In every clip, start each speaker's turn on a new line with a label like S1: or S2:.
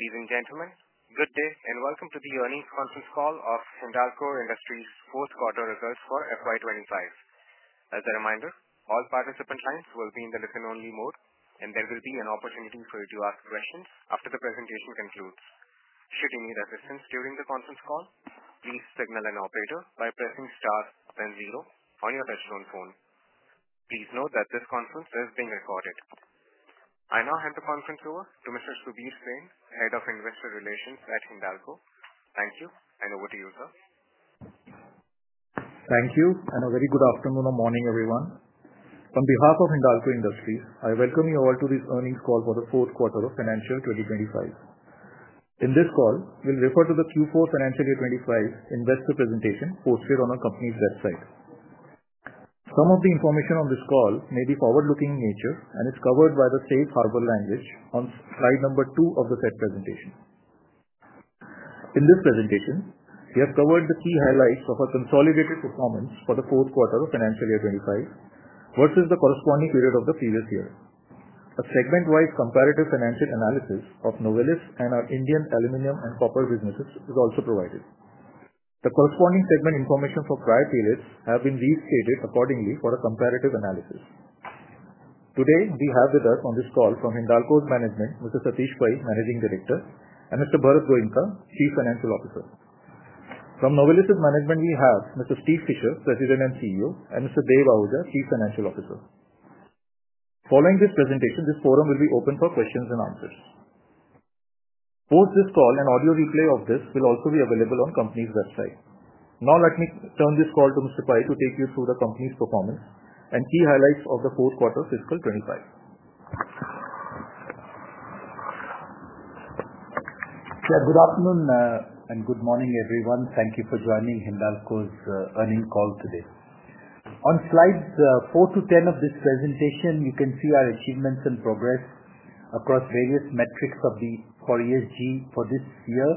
S1: Ladies and gentlemen, good day and welcome to the earnings conference call of Hindalco Industries' fourth quarter results for FY 2025. As a reminder, all participant lines will be in the listen-only mode, and there will be an opportunity for you to ask questions after the presentation concludes. Should you need assistance during the conference call, please signal an operator by pressing star then zero on your touchstone phone. Please note that this conference is being recorded. I now hand the conference over to Mr. Subir Sen, Head of Investor Relations at Hindalco. Thank you, and over to you, sir.
S2: Thank you, and a very good afternoon or morning, everyone. On behalf of Hindalco Industries, I welcome you all to this earnings call for the fourth quarter of financial 2025. In this call, we'll refer to the Q4 financial year 2025 investor presentation posted on our company's website. Some of the information on this call may be forward-looking in nature, and it's covered by the safe harbor language on slide number two of the said presentation. In this presentation, we have covered the key highlights of our consolidated performance for the fourth quarter of financial year 2025 versus the corresponding period of the previous year. A segment-wise comparative financial analysis of Novelis and our Indian aluminum and copper businesses is also provided. The corresponding segment information for prior periods has been restated accordingly for a comparative analysis. Today, we have with us on this call from Hindalco's management, Mr. Satish Pai, Managing Director, and Mr. Bharat Goenka, Chief Financial Officer. From Novelis's management, we have Mr. Steve Fisher, President and CEO, and Mr. Dev Ahuja, Chief Financial Officer. Following this presentation, this forum will be open for questions and answers. Post this call, an audio replay of this will also be available on the company's website. Now, let me turn this call to Mr. Pai to take you through the company's performance and key highlights of the fourth quarter fiscal 2025.
S3: Yeah, good afternoon and good morning, everyone. Thank you for joining Hindalco's earnings call today. On slides four to 10 of this presentation, you can see our achievements and progress across various metrics for ESG for this year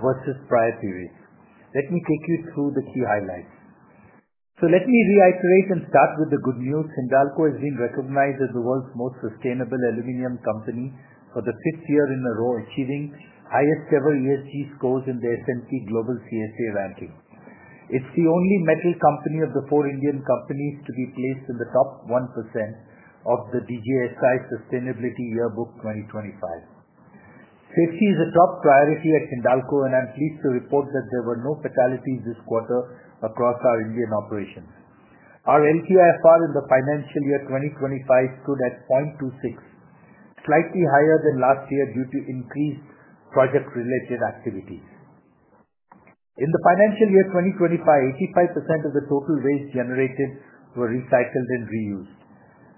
S3: versus prior periods. Let me take you through the key highlights. Let me reiterate and start with the good news. Hindalco has been recognized as the world's most sustainable aluminum company for the fifth year in a row, achieving highest-ever ESG scores in the S&P Global CSA ranking. It is the only metal company of the four Indian companies to be placed in the top 1% of the DJSI Sustainability Yearbook 2025. Safety is a top priority at Hindalco, and I'm pleased to report that there were no fatalities this quarter across our Indian operations. Our LTIFR in the financial year 2025 stood at 0.26, slightly higher than last year due to increased project-related activities. In the financial year 2025, 85% of the total waste generated was recycled and reused.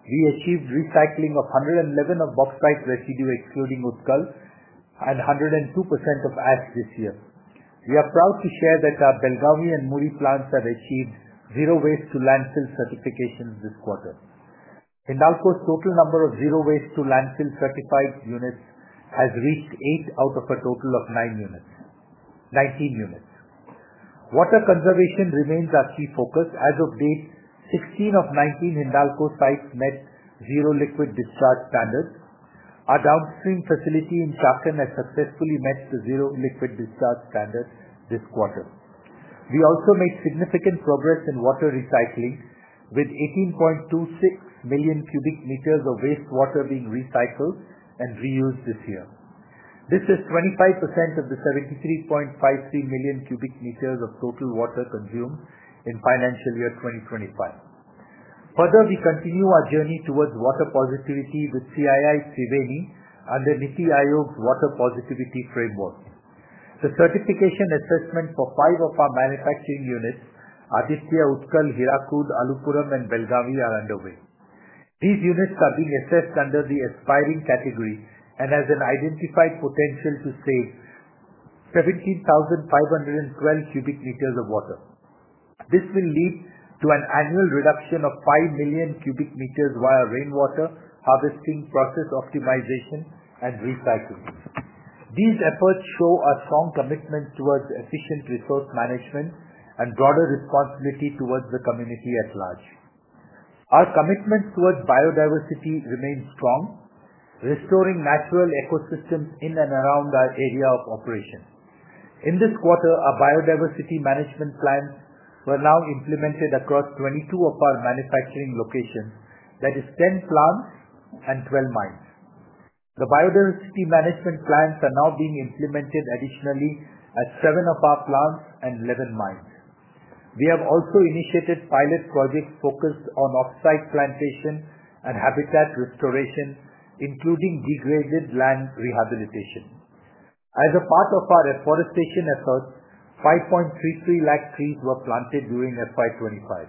S3: We achieved recycling of 111% of bauxite residue, excluding Utkal, and 102% of ash this year. We are proud to share that our Belgavi and Muri plants have achieved zero waste-to-landfill certifications this quarter. Hindalco's total number of zero waste-to-landfill certified units has reached eight out of a total of 19 units. Water conservation remains our key focus. As of date, 16 of 19 Hindalco sites met zero liquid discharge standards. Our downstream facility in Chakan has successfully met the zero liquid discharge standard this quarter. We also made significant progress in water recycling, with 18.26 million cubic meters of wastewater being recycled and reused this year. This is 25% of the 73.53 million cubic meters of total water consumed in financial year 2025. Further, we continue our journey towards water positivity with CII Triveni under NITI Aayog's water positivity framework. The certification assessment for five of our manufacturing units, Aditya, Utkal, Hirakud, Alupuram, and Belgavi, is underway. These units are being assessed under the aspiring category and have an identified potential to save 17,512 cubic meters of water. This will lead to an annual reduction of 5 million cubic meters via rainwater harvesting, process optimization, and recycling. These efforts show a strong commitment towards efficient resource management and broader responsibility towards the community at large. Our commitment towards biodiversity remains strong, restoring natural ecosystems in and around our area of operation. In this quarter, our biodiversity management plans were now implemented across 22 of our manufacturing locations, that is, 10 plants and 12 mines. The biodiversity management plans are now being implemented additionally at seven of our plants and 11 mines. We have also initiated pilot projects focused on offsite plantation and habitat restoration, including degraded land rehabilitation. As a part of our afforestation efforts, 5.33 lakh trees were planted during financial year 2025.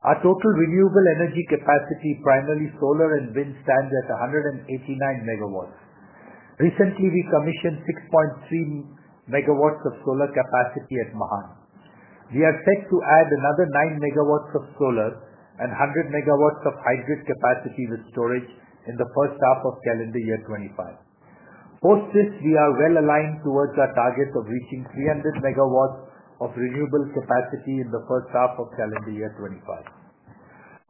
S3: Our total renewable energy capacity, primarily solar and wind, stands at 189 megawatts. Recently, we commissioned 6.3 megawatts of solar capacity at Mahan. We are set to add another 9 megawatts of solar and 100 megawatts of hybrid capacity with storage in the first half of calendar year 2025. Post this, we are well aligned towards our target of reaching 300 megawatts of renewable capacity in the first half of calendar year 2025.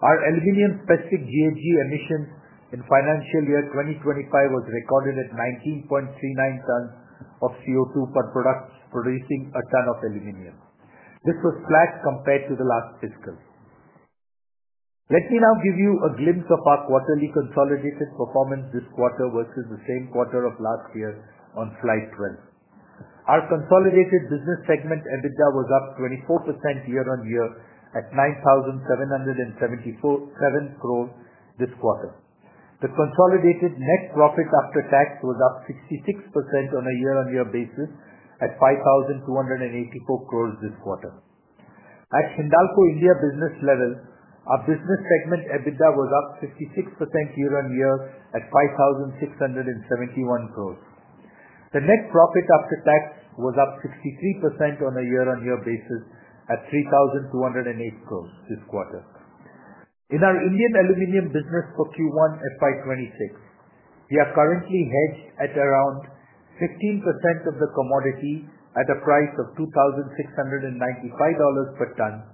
S3: Our aluminum-specific GHG emissions in financial year 2025 were recorded at 19.39 tons of CO2 per product producing a ton of aluminum. This was flat compared to the last fiscal. Let me now give you a glimpse of our quarterly consolidated performance this quarter versus the same quarter of last year on slide 12. Our consolidated business segment EBITDA was up 24% year-on-year at 9,774 crore this quarter. The consolidated net profit after tax was up 66% on a year-on-year basis at 5,284 crore this quarter. At Hindalco India business level, our business segment EBITDA was up 56% year-on-year at 5,671 crore. The net profit after tax was up 63% on a year-on-year basis at 3,208 crore this quarter. In our Indian aluminum business for Q1 FY 2026, we are currently hedged at around 15% of the commodity at a price of $2,695 per ton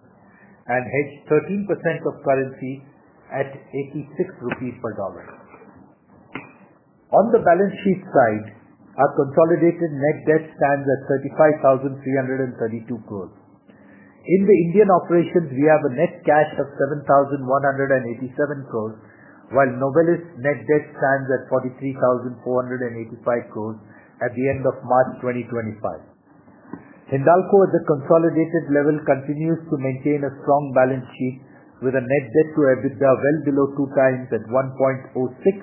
S3: and hedged 13% of currency at 86 rupees per dollar. On the balance sheet side, our consolidated net debt stands at 35,332 crore. In the Indian operations, we have a net cash of 7,187 crore, while Novelis' net debt stands at 43,485 crore at the end of March 2025. Hindalco, at the consolidated level, continues to maintain a strong balance sheet with a net debt-to-EBITDA well below 2x at 1.06x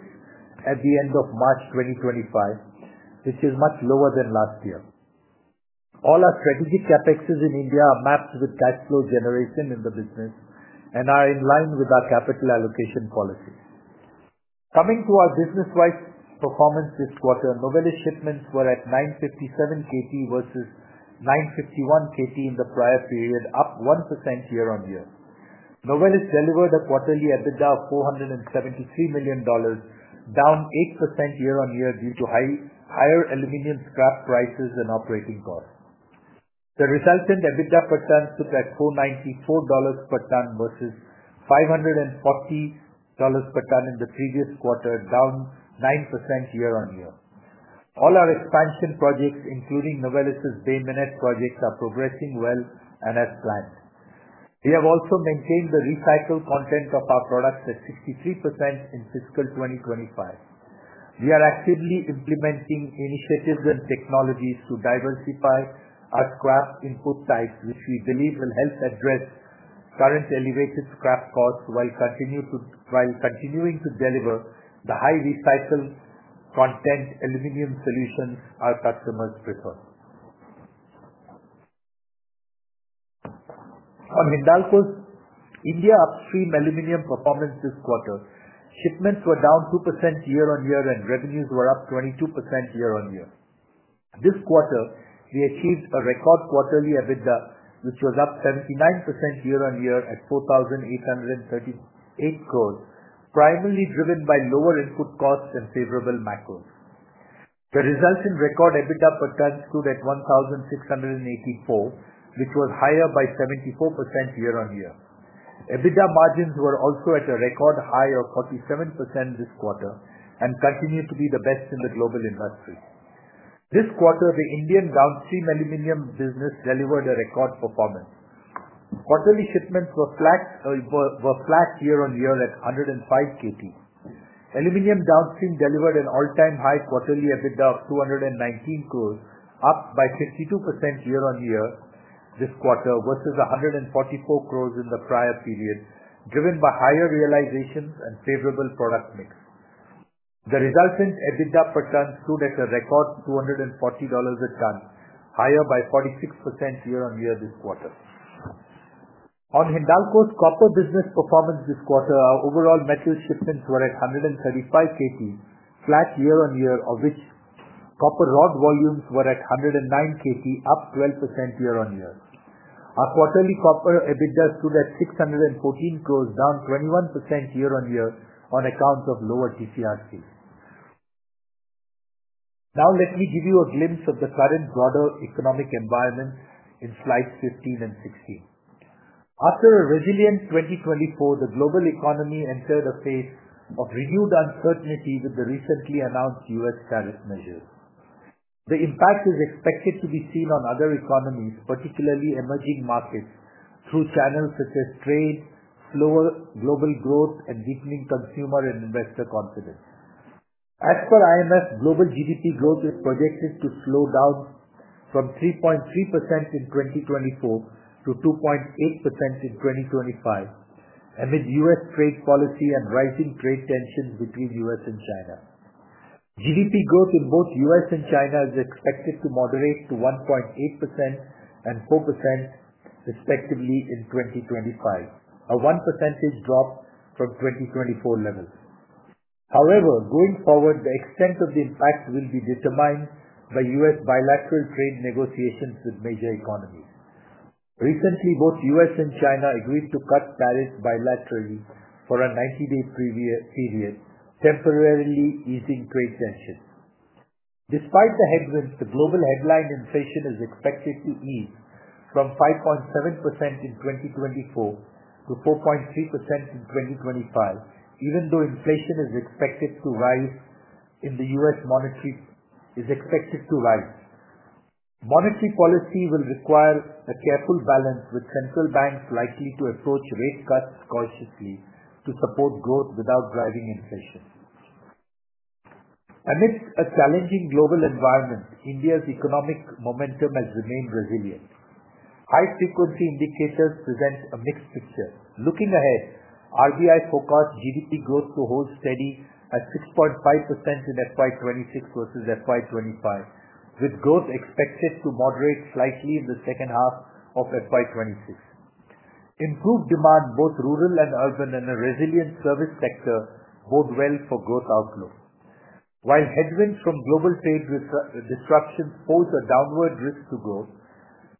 S3: at the end of March 2025, which is much lower than last year. All our strategic CapExes in India are mapped with cash flow generation in the business and are in line with our capital allocation policy. Coming to our business-wise performance this quarter, Novelis shipments were at 957 KT versus 951 KT in the prior period, up 1% year-on-year. Novelis delivered a quarterly EBITDA of $473 million, down 8% year-on-year due to higher aluminum scrap prices and operating costs. The resultant EBITDA per ton stood at $494 per ton versus $540 per ton in the previous quarter, down 9% year-on-year. All our expansion projects, including Novelis's Bay Minette project, are progressing well and as planned. We have also maintained the recycled content of our products at 63% in fiscal 2025. We are actively implementing initiatives and technologies to diversify our scrap input types, which we believe will help address current elevated scrap costs while continuing to deliver the high-recycled content aluminum solutions our customers prefer. On Hindalco's India upstream aluminum performance this quarter, shipments were down 2% year-on-year, and revenues were up 22% year-on-year. This quarter, we achieved a record quarterly EBITDA, which was up 79% year-on-year at 4,838 crore, primarily driven by lower input costs and favorable macros. The resultant record EBITDA per ton stood at 1,684, which was higher by 74% year-on-year. EBITDA margins were also at a record high of 47% this quarter and continue to be the best in the global industry. This quarter, the Indian downstream aluminum business delivered a record performance. Quarterly shipments were flat year-on-year at 105 KT. Aluminum downstream delivered an all-time high quarterly EBITDA of 219 crore, up by 52% year-on-year this quarter versus 144 crore in the prior period, driven by higher realizations and favorable product mix. The resultant EBITDA per ton stood at a record $240 a ton, higher by 46% year-on-year this quarter. On Hindalco's copper business performance this quarter, our overall metal shipments were at 135 KT, flat year-on-year, of which copper rod volumes were at 109 KT, up 12% year-on-year. Our quarterly copper EBITDA stood at 614 crore, down 21% year-on-year on account of lower TCRC. Now, let me give you a glimpse of the current broader economic environment in slides 15 and 16. After a resilient 2024, the global economy entered a phase of renewed uncertainty with the recently announced U.S. tariff measures. The impact is expected to be seen on other economies, particularly emerging markets, through channels such as trade, slower global growth, and deepening consumer and investor confidence. As per IMF, global GDP growth is projected to slow down from 3.3% in 2024 to 2.8% in 2025 amid U.S. trade policy and rising trade tensions between U.S. and China. GDP growth in both U.S. and China is expected to moderate to 1.8% and 4%, respectively, in 2025, a 1% drop from 2024 levels. However, going forward, the extent of the impact will be determined by U.S. bilateral trade negotiations with major economies. Recently, both U.S. and China agreed to cut tariffs bilaterally for a 90-day period, temporarily easing trade tensions. Despite the headwinds, the global headline inflation is expected to ease from 5.7% in 2024 to 4.3% in 2025, even though inflation is expected to rise in the U.S. monetary policy. Monetary policy will require a careful balance, with central banks likely to approach rate cuts cautiously to support growth without driving inflation. Amidst a challenging global environment, India's economic momentum has remained resilient. High-frequency indicators present a mixed picture. Looking ahead, RBI forecasts GDP growth to hold steady at 6.5% in FY 2026 versus FY 2025, with growth expected to moderate slightly in the second half of FY 2026. Improved demand, both rural and urban, and a resilient service sector bode well for growth outlook. While headwinds from global trade disruptions pose a downward risk to growth,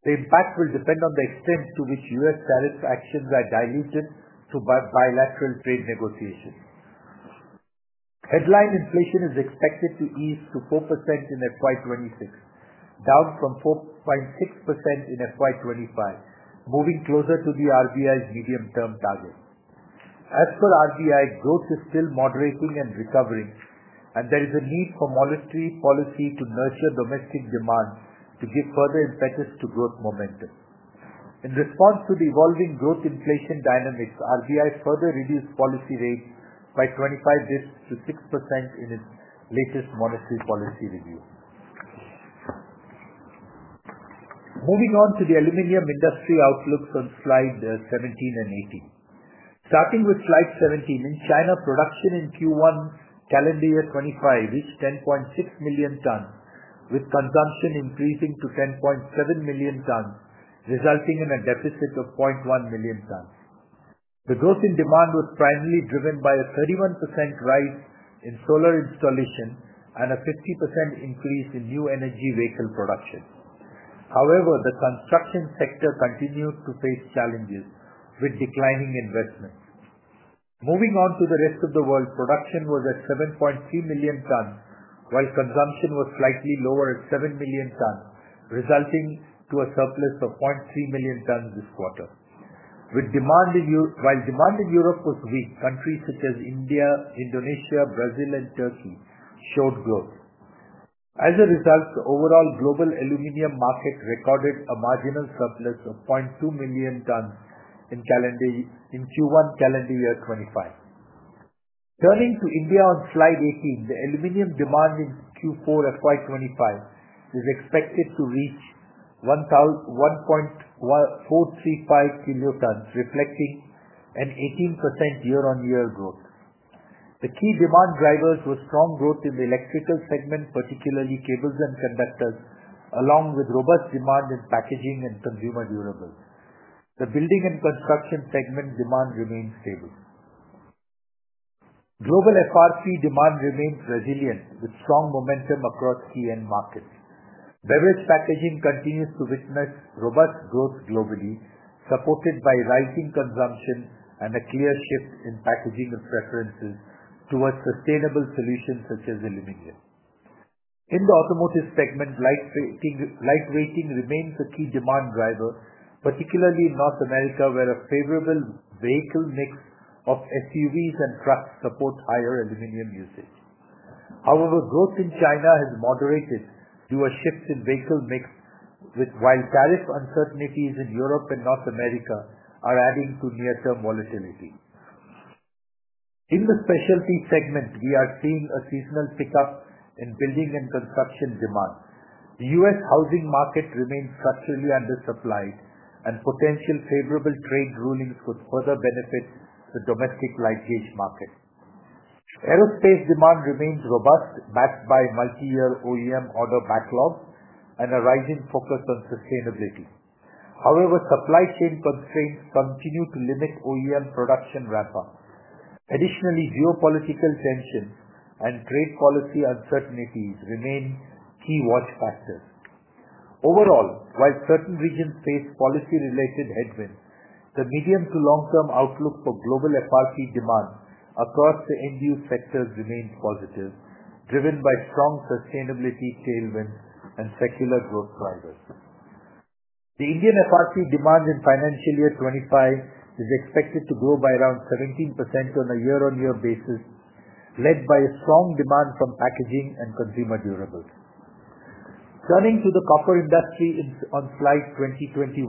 S3: the impact will depend on the extent to which U.S. tariff actions are diluted through bilateral trade negotiations. Headline inflation is expected to ease to 4% in FY 2026, down from 4.6% in FY 2025, moving closer to the RBI's medium-term target. As per RBI, growth is still moderating and recovering, and there is a need for monetary policy to nurture domestic demand to give further impetus to growth momentum. In response to the evolving growth inflation dynamics, RBI further reduced policy rates by 25 basis points to 6% in its latest monetary policy review. Moving on to the aluminum industry outlooks on slides 17 and 18. Starting with slide 17, in China, production in Q1 calendar year 2025 reached 10.6 million tons, with consumption increasing to 10.7 million tons, resulting in a deficit of 0.1 million tons. The growth in demand was primarily driven by a 31% rise in solar installation and a 50% increase in new energy vehicle production. However, the construction sector continued to face challenges with declining investments. Moving on to the rest of the world, production was at 7.3 million tons, while consumption was slightly lower at 7 million tons, resulting in a surplus of 0.3 million tons this quarter. While demand in Europe was weak, countries such as India, Indonesia, Brazil, and Turkey showed growth. As a result, the overall global aluminum market recorded a marginal surplus of 0.2 million tons in Q1 calendar year 2025. Turning to India on slide 18, the aluminum demand in Q4 FY 2025 is expected to reach 1.435 million tons, reflecting an 18% year-on-year growth. The key demand drivers were strong growth in the electrical segment, particularly cables and conductors, along with robust demand in packaging and consumer durables. The building and construction segment demand remains stable. Global FRP demand remains resilient, with strong momentum across key end markets. Beverage packaging continues to witness robust growth globally, supported by rising consumption and a clear shift in packaging preferences towards sustainable solutions such as aluminum. In the automotive segment, lightweighting remains a key demand driver, particularly in North America, where a favorable vehicle mix of SUVs and trucks supports higher aluminum usage. However, growth in China has moderated due to a shift in vehicle mix, while tariff uncertainties in Europe and North America are adding to near-term volatility. In the specialty segment, we are seeing a seasonal pickup in building and construction demand. The U.S. housing market remains structurally undersupplied, and potential favorable trade rulings could further benefit the domestic light-gauge market. Aerospace demand remains robust, backed by multi-year OEM order backlog and a rising focus on sustainability. However, supply chain constraints continue to limit OEM production ramp-up. Additionally, geopolitical tensions and trade policy uncertainties remain key watch factors. Overall, while certain regions face policy-related headwinds, the medium- to long-term outlook for global FRP demand across the end-use sectors remains positive, driven by strong sustainability tailwinds and secular growth drivers. The Indian FRP demand in financial year 2025 is expected to grow by around 17% on a year-on-year basis, led by strong demand from packaging and consumer durables. Turning to the copper industry on slide 2021,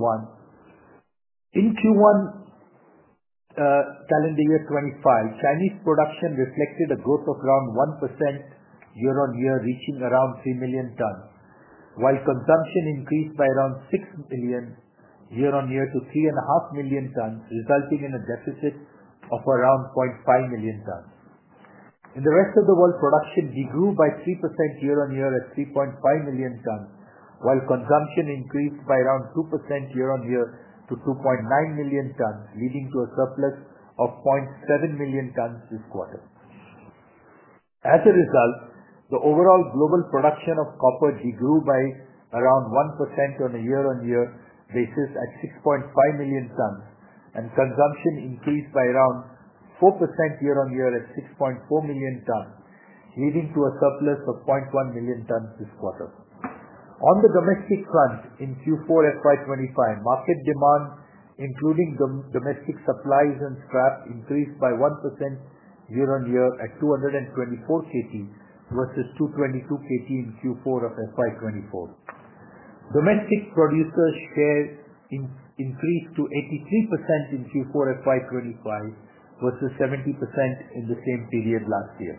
S3: in Q1 calendar year 2025, Chinese production reflected a growth of around 1% year-on-year, reaching around 3 million tons, while consumption increased by around 0.5 million year-on-year to 3.5 million tons, resulting in a deficit of around 0.5 million tons. In the rest of the world, production degrew by 3% year-on-year at 3.5 million tons, while consumption increased by around 2% year-on-year to 2.9 million tons, leading to a surplus of 0.7 million tons this quarter. As a result, the overall global production of copper degrew by around 1% on a year-on-year basis at 6.5 million tons, and consumption increased by around 4% year-on-year at 6.4 million tons, leading to a surplus of 0.1 million tons this quarter. On the domestic front, in Q4 FY 2025, market demand, including domestic supplies and scrap, increased by 1% year-on-year at 224 KT versus 222 KT in Q4 of FY 2024. Domestic producer share increased to 83% in Q4 FY 2025 versus 70% in the same period last year.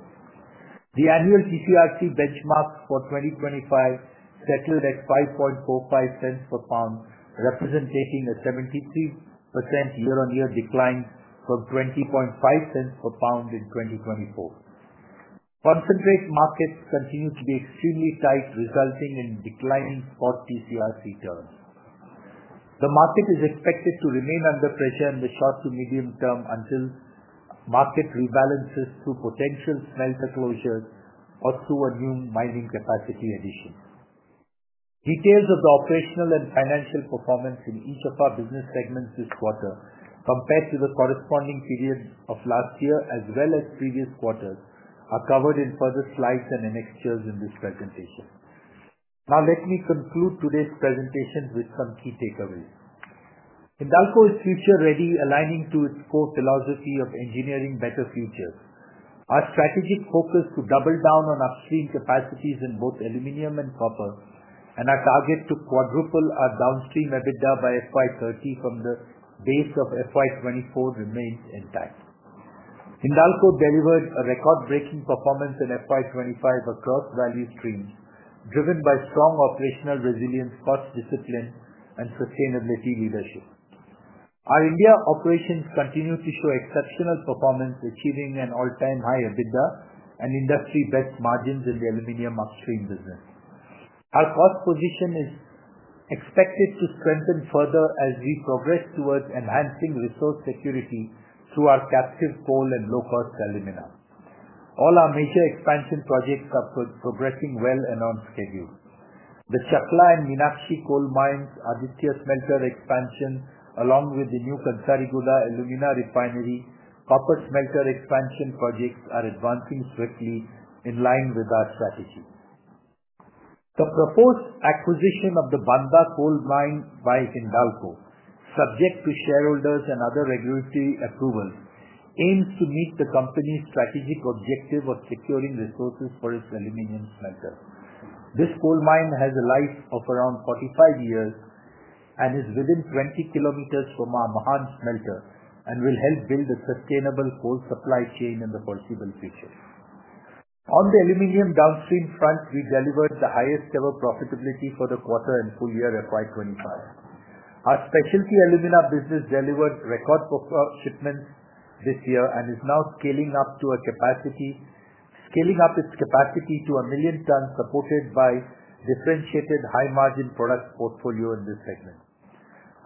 S3: The annual TCRC benchmark for 2025 settled at $0.0545 per pound, representing a 73% year-on-year decline from $0.205 per pound in 2024. Concentrate markets continue to be extremely tight, resulting in declining spot TCRC terms. The market is expected to remain under pressure in the short to medium term until market rebalances through potential smelter closures or through a new mining capacity addition. Details of the operational and financial performance in each of our business segments this quarter, compared to the corresponding period of last year as well as previous quarters, are covered in further slides and annexes in this presentation. Now, let me conclude today's presentation with some key takeaways. Hindalco is future-ready, aligning to its core philosophy of engineering better futures. Our strategic focus to double down on upstream capacities in both aluminum and copper, and our target to quadruple our downstream EBITDA by FY 2030 from the base of FY 2024, remains intact. Hindalco delivered a record-breaking performance in FY 2025 across value streams, driven by strong operational resilience, cost discipline, and sustainability leadership. Our India operations continue to show exceptional performance, achieving an all-time high EBITDA and industry-best margins in the aluminum upstream business. Our cost position is expected to strengthen further as we progress towards enhancing resource security through our captive coal and low-cost alumina. All our major expansion projects are progressing well and on schedule. The Chakla and Meenakshi coal mines' Aditya smelter expansion, along with the new Kansariguda alumina refinery, copper smelter expansion projects are advancing swiftly in line with our strategy. The proposed acquisition of the Bandha coal mine by Hindalco, subject to shareholders and other regulatory approvals, aims to meet the company's strategic objective of securing resources for its aluminum smelter. This coal mine has a life of around 45 years and is within 20 kilometers from our Mahan smelter and will help build a sustainable coal supply chain in the foreseeable future. On the aluminum downstream front, we delivered the highest-ever profitability for the quarter and full year 2025. Our specialty alumina business delivered record shipments this year and is now scaling up its capacity to 1 million tons, supported by a differentiated high-margin product portfolio in this segment.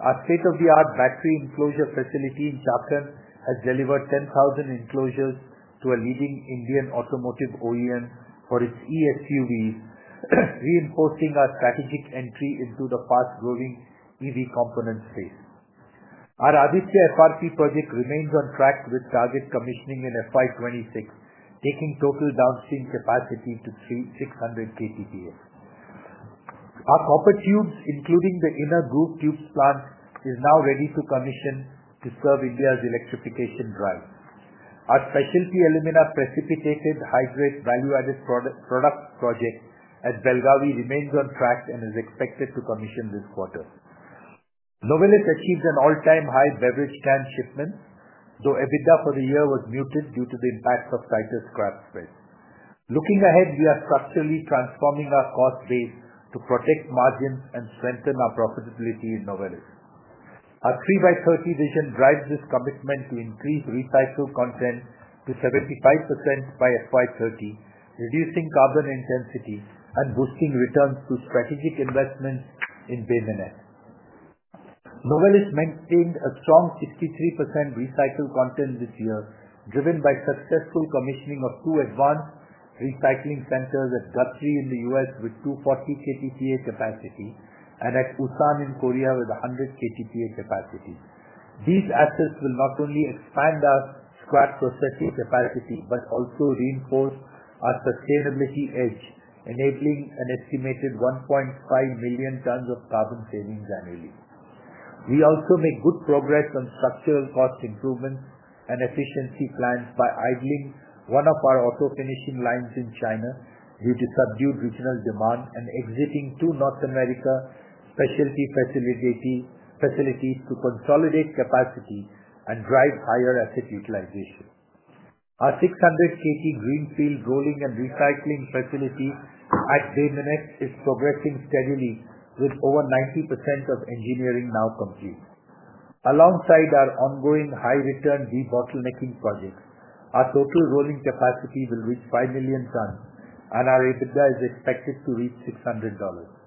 S3: Our state-of-the-art battery enclosure facility in Chakan has delivered 10,000 enclosures to a leading Indian automotive OEM for its eSUVs, reinforcing our strategic entry into the fast-growing EV component space. Our Aditya FRP project remains on track with target commissioning in FY 2026, taking total downstream capacity to 600 KTPA. Our copper tubes, including the inner groove tubes plant, are now ready to commission to serve India's electrification drive. Our specialty alumina precipitated hydrate value-added product project at Belgavi remains on track and is expected to commission this quarter. Novelis achieved an all-time high beverage can shipment, though EBITDA for the year was muted due to the impacts of tighter scrap spreads. Looking ahead, we are structurally transforming our cost base to protect margins and strengthen our profitability in Novelis. Our 3x30 vision drives this commitment to increase recycle content to 75% by FY 2030, reducing carbon intensity and boosting returns through strategic investments in Bay Minette. Novelis maintained a strong 63% recycle content this year, driven by successful commissioning of two advanced recycling centers at Guthrie in the U.S. with 240 KTPA capacity and at Ulsan in Korea with 100 KTPA capacity. These assets will not only expand our scrap processing capacity but also reinforce our sustainability edge, enabling an estimated 1.5 million tons of carbon savings annually. We also make good progress on structural cost improvements and efficiency plans by idling one of our auto finishing lines in China due to subdued regional demand and exiting two North America specialty facilities to consolidate capacity and drive higher asset utilization. Our 600 KT greenfield rolling and recycling facility at Bay Minette is progressing steadily, with over 90% of engineering now complete. Alongside our ongoing high-return debottlenecking projects, our total rolling capacity will reach 5 million tons, and our EBITDA is expected to reach $600 million.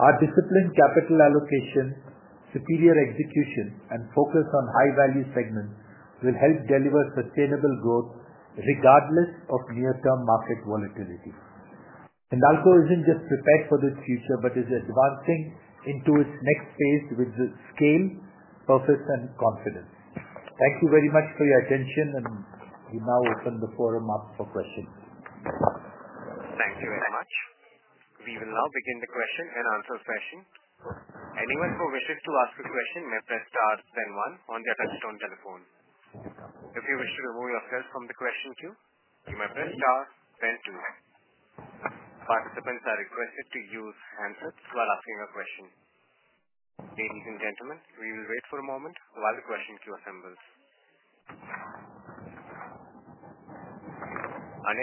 S3: Our disciplined capital allocation, superior execution, and focus on high-value segments will help deliver sustainable growth regardless of near-term market volatility. Hindalco is not just prepared for this future but is advancing into its next phase with the scale, purpose, and confidence. Thank you very much for your attention, and we now open the forum up for questions.
S1: Thank you very much. We will now begin the question and answer session. Anyone who wishes to ask a question may press star, then one, on the touchstone telephone. If you wish to remove yourself from the question queue, you may press star, then two. Participants are requested to use handsets while asking a question. Ladies and gentlemen, we will wait for a moment while the question queue assembles. Our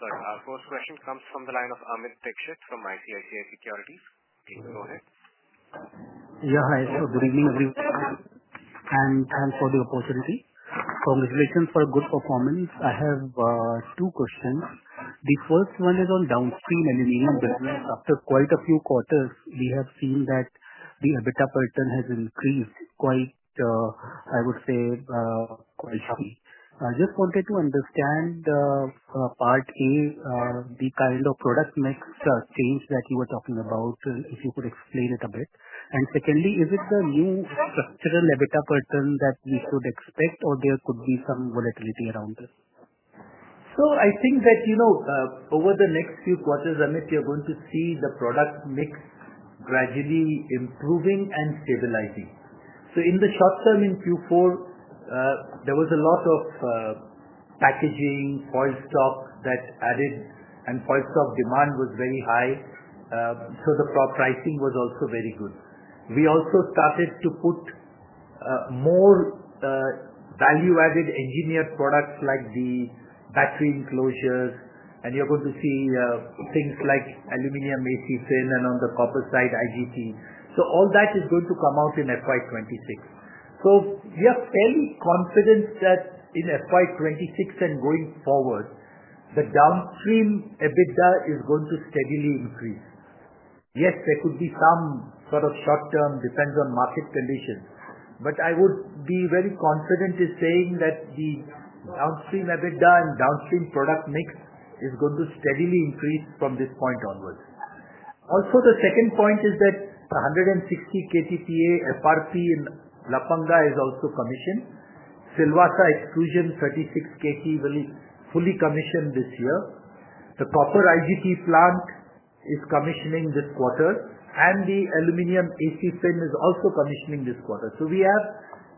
S1: first question comes from the line of Amit Dixit from ICICI Securities. Please go ahead.
S4: Yeah, hi. Good evening, everyone, and thanks for the opportunity. Congratulations for good performance. I have two questions. The first one is on downstream aluminum business. After quite a few quarters, we have seen that the EBITDA pattern has increased quite, I would say, quite heavy. I just wanted to understand, part A, the kind of product mix change that you were talking about, if you could explain it a bit. Secondly, is it the new structural EBITDA pattern that we should expect, or there could be some volatility around this?
S3: I think that over the next few quarters, Amit, you're going to see the product mix gradually improving and stabilizing. In the short term in Q4, there was a lot of packaging, foil stock that added, and foil stock demand was very high, so the pricing was also very good. We also started to put more value-added engineered products like the battery enclosures, and you're going to see things like aluminum AC fin and on the copper side, IGT. All that is going to come out in FY 2026. We are fairly confident that in FY 2026 and going forward, the downstream EBITDA is going to steadily increase. Yes, there could be some sort of short-term depends on market conditions, but I would be very confident in saying that the downstream EBITDA and downstream product mix is going to steadily increase from this point onwards. Also, the second point is that the 160 KTPA FRP in Lapanga is also commissioned. Silvassa Extrusion 36 KT will fully commission this year. The copper IGT plant is commissioning this quarter, and the aluminum AC fin is also commissioning this quarter. We have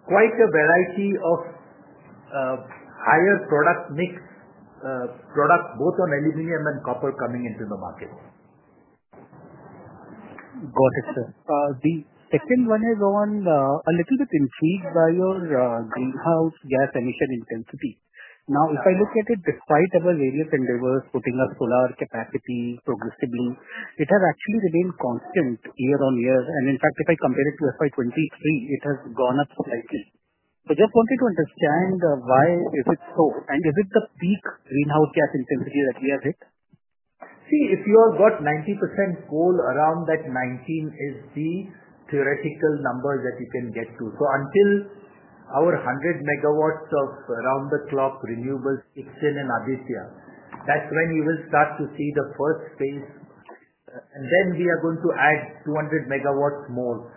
S3: quite a variety of higher product mix, product both on aluminum and copper coming into the market.
S4: Got it, sir. The second one is on a little bit intrigued by your greenhouse gas emission intensity. Now, if I look at it, despite our various endeavors putting up solar capacity progressively, it has actually remained constant year-on-year. In fact, if I compare it to FY 2023, it has gone up slightly. I just wanted to understand why is it so, and is it the peak greenhouse gas intensity that we have hit?
S3: See, if you have got 90% coal, around that 19 is the theoretical number that you can get to. Until our 100 megawatts of around-the-clock renewables kicks in in Aditya, that is when you will start to see the first phase, and then we are going to add 200 megawatts more.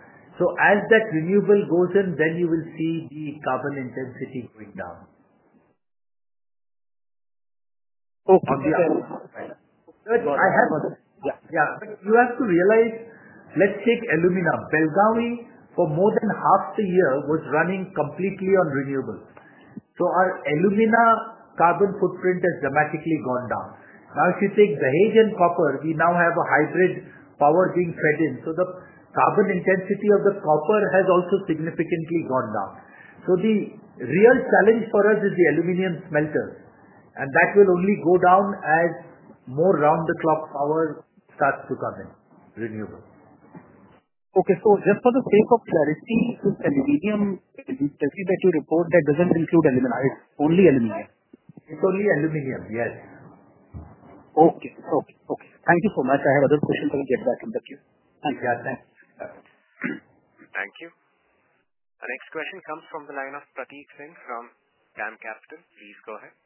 S3: As that renewable goes in, you will see the carbon intensity going down.
S4: Okay.
S3: Yeah, but you have to realize, let's take alumina. Belgavi, for more than half the year, was running completely on renewables. So our alumina carbon footprint has dramatically gone down. Now, if you take the Hindalco copper, we now have a hybrid power being fed in. So the carbon intensity of the copper has also significantly gone down. The real challenge for us is the aluminum smelters, and that will only go down as more round-the-clock power starts to come in renewables.
S4: Okay. So just for the sake of clarity, this aluminum that you report, that doesn't include alumina, it's only aluminum?
S3: It's only aluminium, yes.
S4: Okay. Okay. Okay. Thank you so much. I have other questions that we'll get back in the queue.
S3: Thank you.
S1: Thank you. The next question comes from the line of Prateek Singh from Dam Capital. Please go ahead.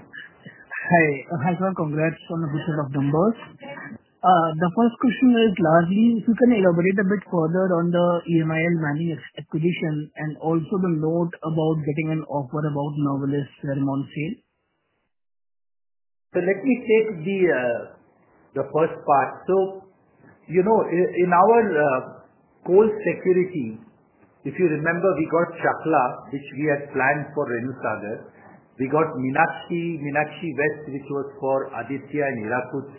S5: Hi. Hi, sir. Congrats on the boost of numbers. The first question is largely, if you can elaborate a bit further on the EMIL mining acquisition and also the note about getting an offer about Novelis Fairmont sale.
S3: Let me take the first part. In our coal security, if you remember, we got Chakla, which we had planned for Renusagar. We got Meenakshi West, which was for Aditya and Hirakud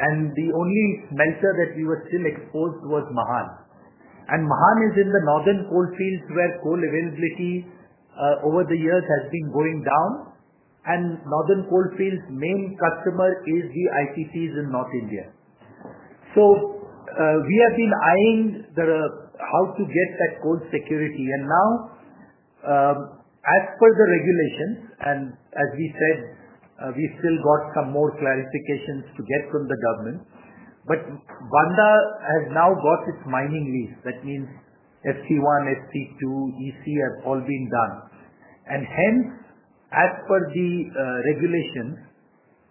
S3: smelters. The only smelter that we were still exposed to was Mahan. Mahan is in the Northern Coalfields where coal availability over the years has been going down, and Northern Coalfields' main customer is the IPPs in North India. We have been eyeing how to get that coal security. Now, as per the regulations, and as we said, we have still got some more clarifications to get from the government, but Bandha has now got its mining lease. That means FC1, FC2, EC have all been done. Hence, as per the regulations,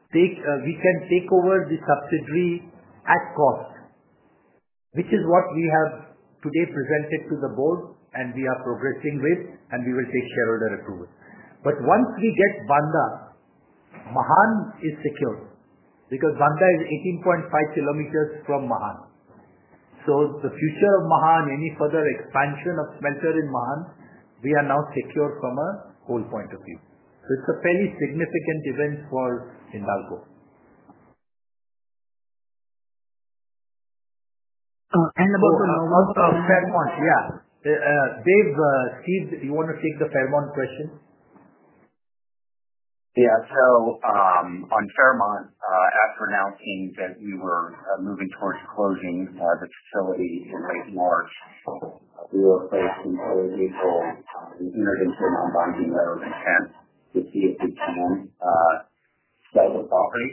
S3: we can take over the subsidiary at cost, which is what we have today presented to the board, and we are progressing with, and we will take shareholder approval. Once we get Bandha, Mahan is secured because Bandha is 18.5 kilometers from Mahan. The future of Mahan, any further expansion of smelter in Mahan, we are now secure from a whole point of view. It is a fairly significant event for Hindalco.
S5: About the Novelis Fairmont?
S3: Yeah. Dev, Steve, do you want to take the Fairmont question?
S6: Yeah. On Fairmont, after announcing that we were moving towards closing the facility in late March, we were first in early April and entered into a non-binding letter of intent to see if we can sell the property.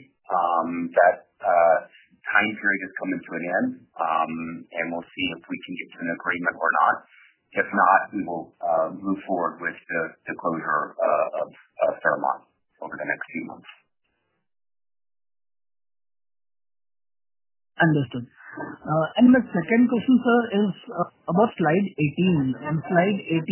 S6: That time period has come to an end, and we'll see if we can get to an agreement or not. If not, we will move forward with the closure of Fairmont over the next few months.
S5: Understood. My second question, sir, is about slide 18. On slide 18,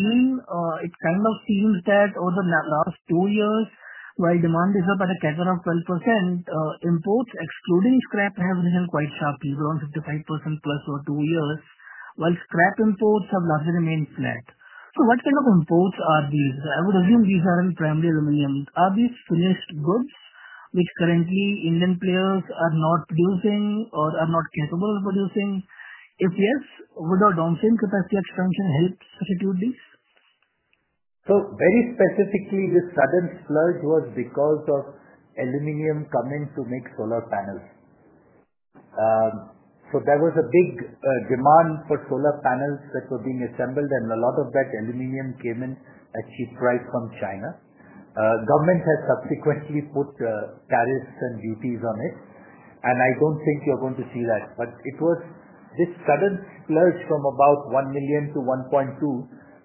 S5: it kind of seems that over the last two years, while demand is up at a CAGR of 12%, imports excluding scrap have risen quite sharply. We are on 55%+ over two years, while scrap imports have largely remained flat. What kind of imports are these? I would assume these are in primary aluminum. Are these finished goods which currently Indian players are not producing or are not capable of producing? If yes, would our downstream capacity expansion help substitute these?
S3: Very specifically, this sudden splurge was because of aluminum coming to make solar panels. There was a big demand for solar panels that were being assembled, and a lot of that aluminum came in at cheap price from China. The government has subsequently put tariffs and duties on it, and I do not think you are going to see that. This sudden splurge from about 1 million to 1.2 million,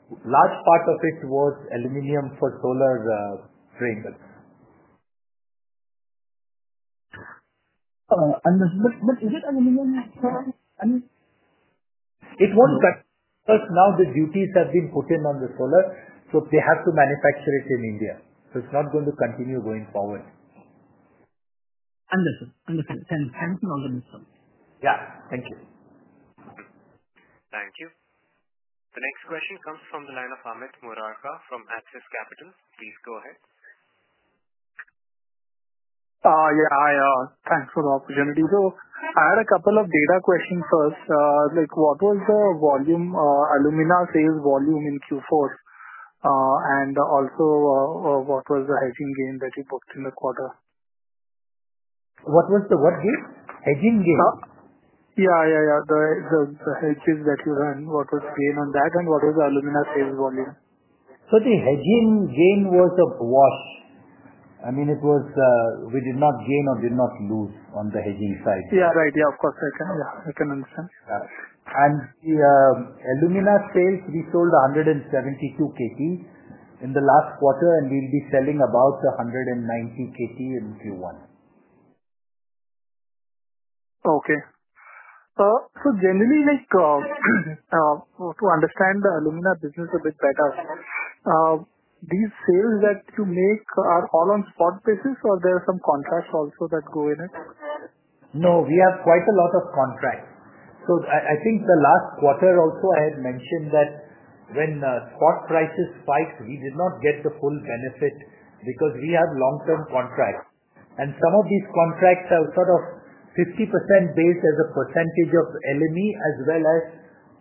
S3: a large part of it was aluminum for solar frameworks.
S5: Is it aluminum
S3: It won't cut because now the duties have been put in on the solar, so they have to manufacture it in India. It is not going to continue going forward.
S5: Understood. Understood. Thank you. All the best, sir.
S3: Yeah. Thank you.
S1: Thank you. The next question comes from the line of Amit Murarka from Axis Capital. Please go ahead.
S7: Yeah. Thanks for the opportunity. I had a couple of data questions first. What was the alumina sales volume in Q4? Also, what was the hedging gain that you booked in the quarter?
S3: What was the what gain? Hedging gain?
S7: Yeah. Yeah. Yeah. The hedges that you ran, what was gain on that, and what was the alumina sales volume?
S3: The hedging gain was a wash. I mean, we did not gain or did not lose on the hedging side.
S7: Yeah. Right. Yeah. Of course. Yeah. I can understand.
S3: The alumina sales, we sold 172 KT in the last quarter, and we'll be selling about 190 KT in Q1.
S7: Okay. So generally, to understand the alumina business a bit better, these sales that you make are all on spot basis, or there are some contracts also that go in it?
S3: No. We have quite a lot of contracts. I think the last quarter also, I had mentioned that when spot prices spiked, we did not get the full benefit because we have long-term contracts. Some of these contracts are sort of 50% based as a percentage of LME as well as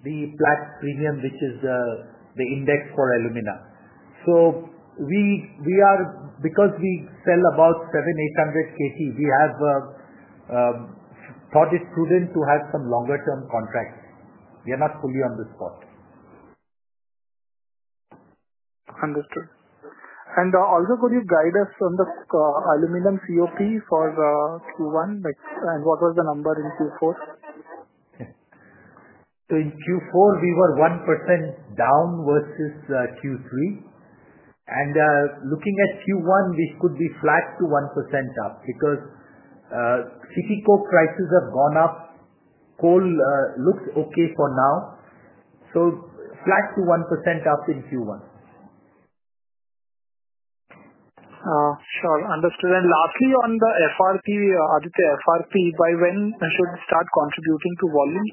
S3: the Platts Premium, which is the index for alumina. Because we sell about 7,800 KT, we have thought it prudent to have some longer-term contracts. We are not fully on the spot.
S7: Understood. Also, could you guide us on the aluminum COP for Q1? What was the number in Q4?
S3: In Q4, we were 1% down versus Q3. Looking at Q1, we could be flat to 1% up because CP coke prices have gone up. Coal looks okay for now. Flat to 1% up in Q1.
S7: Sure. Understood. Lastly, on the FRP, Aditya FRP, by when should it start contributing to volume?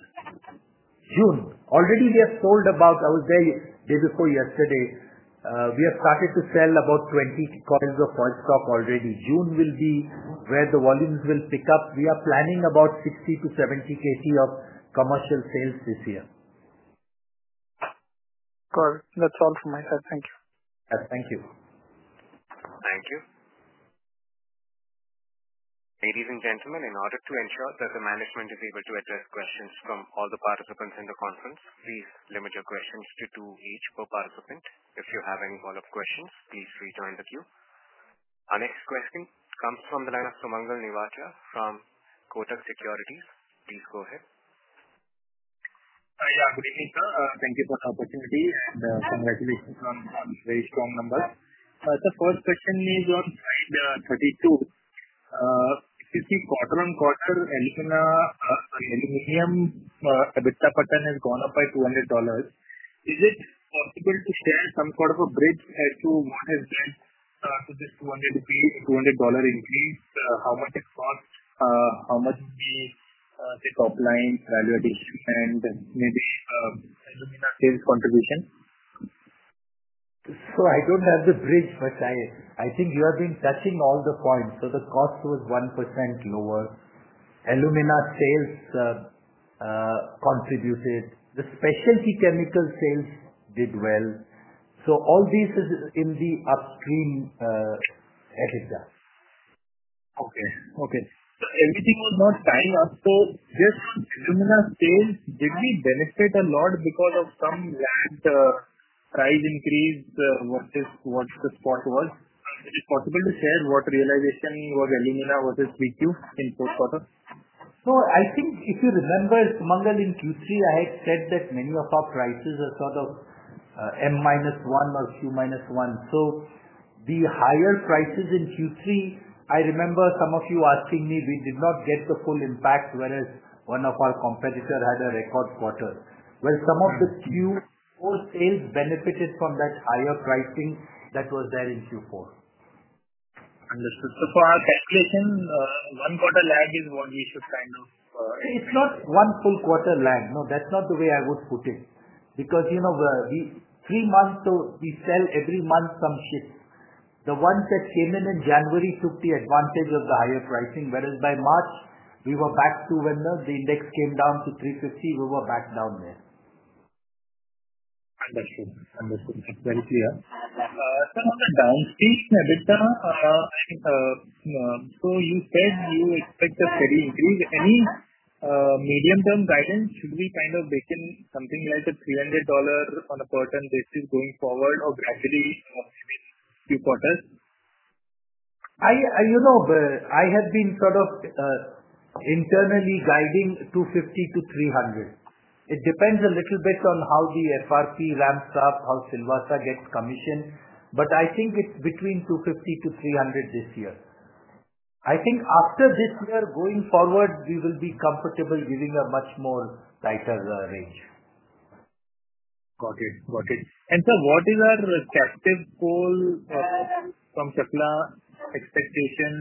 S3: June. Already, we have sold about—I was there the day before yesterday. We have started to sell about 20 coils of foil stock already. June will be where the volumes will pick up. We are planning about 60 KT-70 KT of commercial sales this year.
S7: Good. That's all from my side. Thank you.
S3: Thank you.
S1: Thank you. Ladies and gentlemen, in order to ensure that the management is able to address questions from all the participants in the conference, please limit your questions to two each per participant. If you have any follow-up questions, please rejoin the queue. Our next question comes from the line of Sumangal Nevatia from Kotak Securities. Please go ahead.
S8: Yeah. Good evening, sir. Thank you for the opportunity and congratulations on very strong numbers. The first question is on slide 32. If you see quarter on quarter, aluminum EBITDA pattern has gone up by $200. Is it possible to share some sort of a bridge to what has led to this $200 increase? How much it cost? How much would be the top line value addition and maybe alumina sales contribution?
S3: I don't have the bridge, but I think you have been touching all the points. The cost was 1% lower. Alumina sales contributed. The specialty chemical sales did well. All this is in the upstream EBITDA.
S8: Okay. Okay. So everything was not bad. Just on alumina sales, did we benefit a lot because of some land price increase versus what the spot was? Is it possible to share what realization was alumina versus 3Q in fourth quarter?
S3: I think if you remember, Sumangal, in Q3, I had said that many of our prices are sort of M-1 or Q-1. The higher prices in Q3, I remember some of you asking me, we did not get the full impact, whereas one of our competitors had a record quarter. Some of the Q4 sales benefited from that higher pricing that was there in Q4.
S8: Understood. For our calculation, one quarter lag is what we should kind of.
S3: It's not one full quarter lag. No, that's not the way I would put it because three months, so we sell every month some ships. The ones that came in in January took the advantage of the higher pricing, whereas by March, we were back to when the index came down to 350, we were back down there.
S8: Understood. Understood. That's very clear. Some of the downstream EBITDA, so you said you expect a steady increase. Any medium-term guidance? Should we kind of make it something like a $300 on a per ton basis going forward or gradually in Q4?
S3: I have been sort of internally guiding $250-$300. It depends a little bit on how the FRP ramps up, how Silvassa gets commissioned, but I think it is between $250-$300 this year. I think after this year, going forward, we will be comfortable giving a much more tighter range.
S8: Got it. Got it. Sir, what is our captive coal from Chakla expectation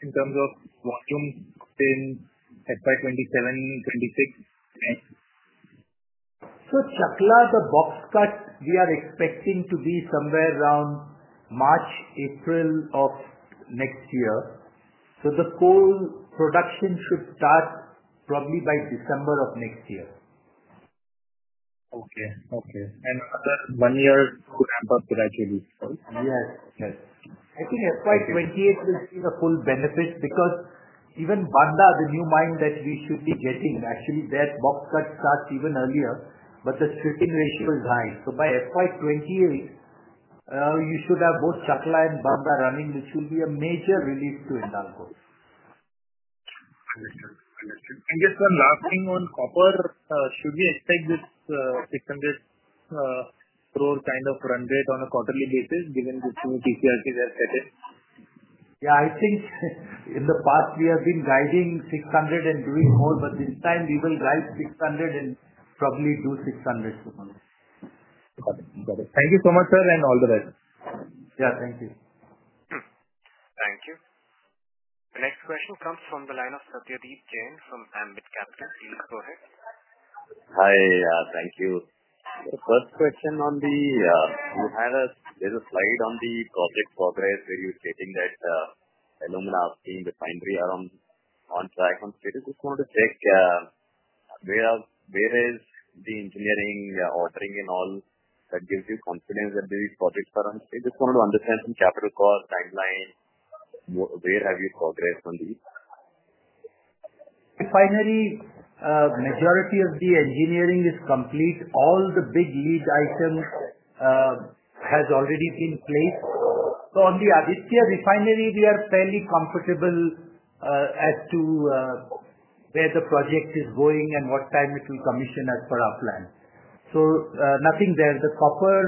S8: in terms of volume in FY 2027, FY 2026?
S3: Chakla, the box cut, we are expecting to be somewhere around March, April of next year. The coal production should start probably by December of next year.
S8: Okay. Okay. Another one year to ramp up gradually.
S3: Yes. Yes. I think FY 2028 will see the full benefit because even Bandha, the new mine that we should be getting, actually, that box cut starts even earlier, but the splitting ratio is high. So by FY 2028, you should have both Chakla and Bandha running, which will be a major relief to Hindalco.
S8: Understood. Understood. Just one last thing on copper. Should we expect this 600 crore kind of run rate on a quarterly basis given the new TCRCs that are set in?
S3: Yeah. I think in the past, we have been guiding 600 crore and doing more, but this time, we will guide 600 crore and probably do 600 crore tomorrow.
S8: Got it. Got it. Thank you so much, sir, and all the best.
S3: Yeah. Thank you.
S1: Thank you. The next question comes from the line of Satyadeep Jain from Ambit Capital. Please go ahead.
S9: Hi. Thank you. The first question on the, you had a little slide on the project progress where you were stating that alumina seemed finally on track. I'm just wanting to check where is the engineering, ordering, and all that gives you confidence that these projects are on track? Just wanted to understand some capital cost, timeline. Where have you progressed on these?
S3: Refinery, majority of the engineering is complete. All the big lead items have already been placed. On the Aditya refinery, we are fairly comfortable as to where the project is going and what time it will commission as per our plan. Nothing there. The copper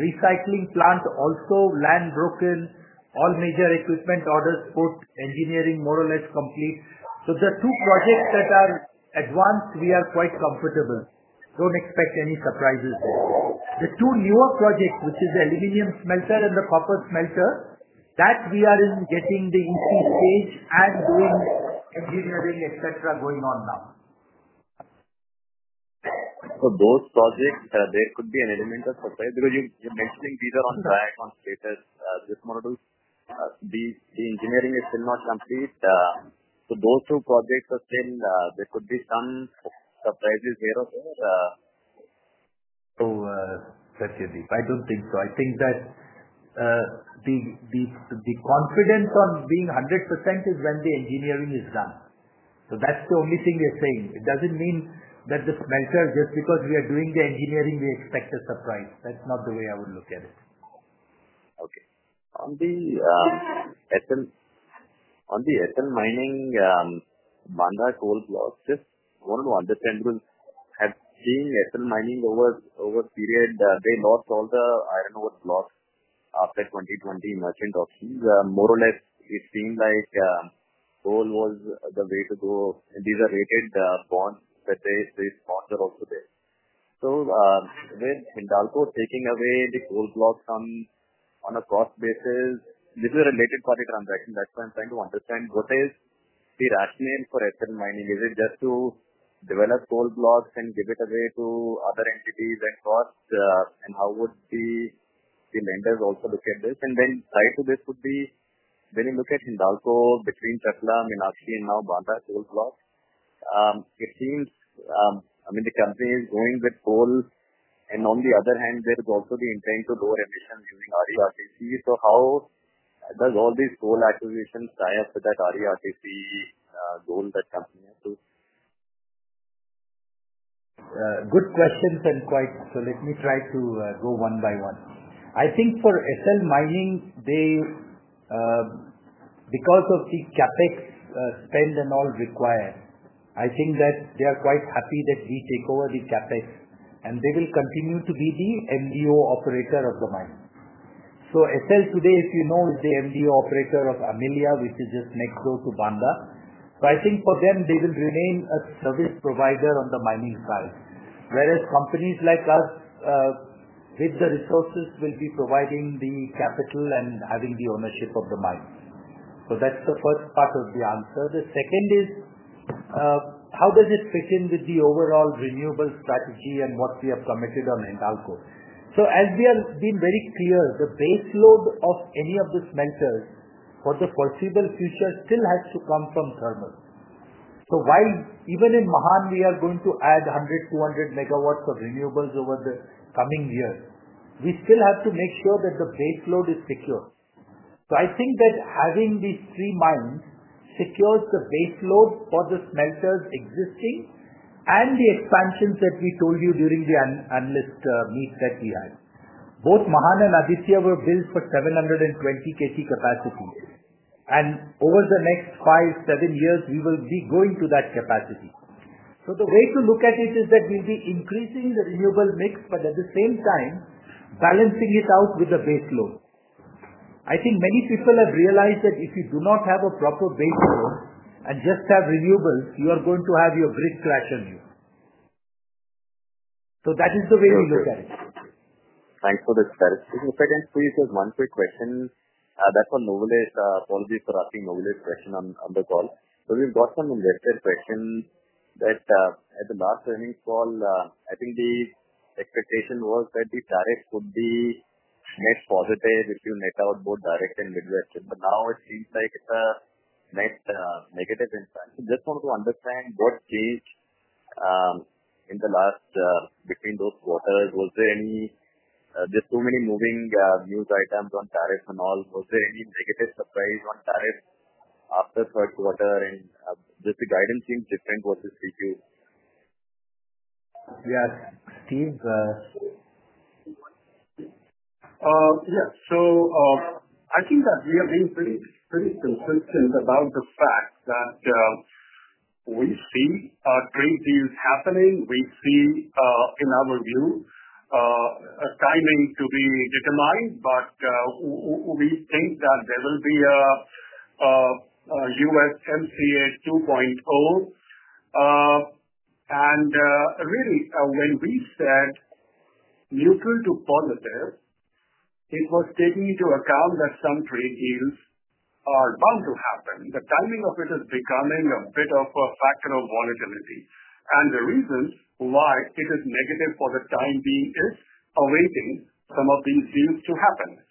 S3: recycling plant also, land broken, all major equipment orders put, engineering more or less complete. The two projects that are advanced, we are quite comfortable. Do not expect any surprises there. The two newer projects, which are the aluminum smelter and the copper smelter, we are in getting the EC stage and doing engineering, etc., going on now.
S9: Those projects, there could be an element of surprise because you're mentioning these are on track on status. The engineering is still not complete. Those two projects are still there could be some surprises here or there.
S3: Satyadeep, I do not think so. I think that the confidence on being 100% is when the engineering is done. That is the only thing we are saying. It does not mean that the smelter, just because we are doing the engineering, we expect a surprise. That is not the way I would look at it.
S9: Okay. On the Essel Mining, Bandha coal blocks, just wanted to understand because I've seen Essel Mining over a period. They lost all the iron ore blocks after 2020 merchant auctions. More or less, it seemed like coal was the way to go. These are rated bonds that they sponsor also there. With Hindalco taking away the coal blocks on a cost basis, this is a related party transaction. That's why I'm trying to understand what is the rationale for Essel Mining. Is it just to develop coal blocks and give it away to other entities at cost? How would the lenders also look at this? Tied to this would be when you look at Hindalco between Chakla, Meenakshi, and now Bandha coal blocks, it seems, I mean, the company is going with coal, and on the other hand, there is also the intent to lower emissions using RE-RTC. How does all these coal acquisitions tie up to that RE-RTC goal that company has to?
S3: Good questions and quite so let me try to go one by one. I think for Essel Mining, because of the CapEx spend and all required, I think that they are quite happy that we take over the CapEx, and they will continue to be the MDO operator of the mine. So Essel today, if you know, is the MDO operator of Amelia, which is just next door to Bandha. I think for them, they will remain a service provider on the mining side, whereas companies like us with the resources will be providing the capital and having the ownership of the mine. That is the first part of the answer. The second is how does it fit in with the overall renewable strategy and what we have committed on Hindalco? As we have been very clear, the baseload of any of the smelters for the foreseeable future still has to come from thermal. While even in Mahan, we are going to add 100-200 megawatts of renewables over the coming year, we still have to make sure that the baseload is secure. I think that having these three mines secures the baseload for the smelters existing and the expansions that we told you during the analyst meet that we had. Both Mahan and Aditya were built for 720 KT capacity. Over the next five to seven years, we will be going to that capacity. The way to look at it is that we will be increasing the renewable mix, but at the same time, balancing it out with the baseload. I think many people have realized that if you do not have a proper baseload and just have renewables, you are going to have your grid crash on you. That is the way we look at it.
S9: Thanks for the clarification. If I can squeeze just one quick question, that's on Novelis. Apology for asking Novelis question on the call. So we've got some investor questions that at the last earnings call, I think the expectation was that the tariff would be net positive if you net out both direct and Midwestern. But now it seems like it's a net negative impact. Just wanted to understand what changed in the last between those quarters. Was there any just so many moving news items on tariffs and all, was there any negative surprise on tariffs after third quarter? And does the guidance seem different versus 3Q?
S3: Yes. Steve.
S6: Yes. I think that we have been pretty consistent about the fact that we see trade deals happening. We see, in our view, a timing to be determined, but we think that there will be a USMCA 2.0. Really, when we said neutral to positive, it was taking into account that some trade deals are bound to happen. The timing of it is becoming a bit of a factor of volatility. The reason why it is negative for the time being is awaiting some of these deals to happen.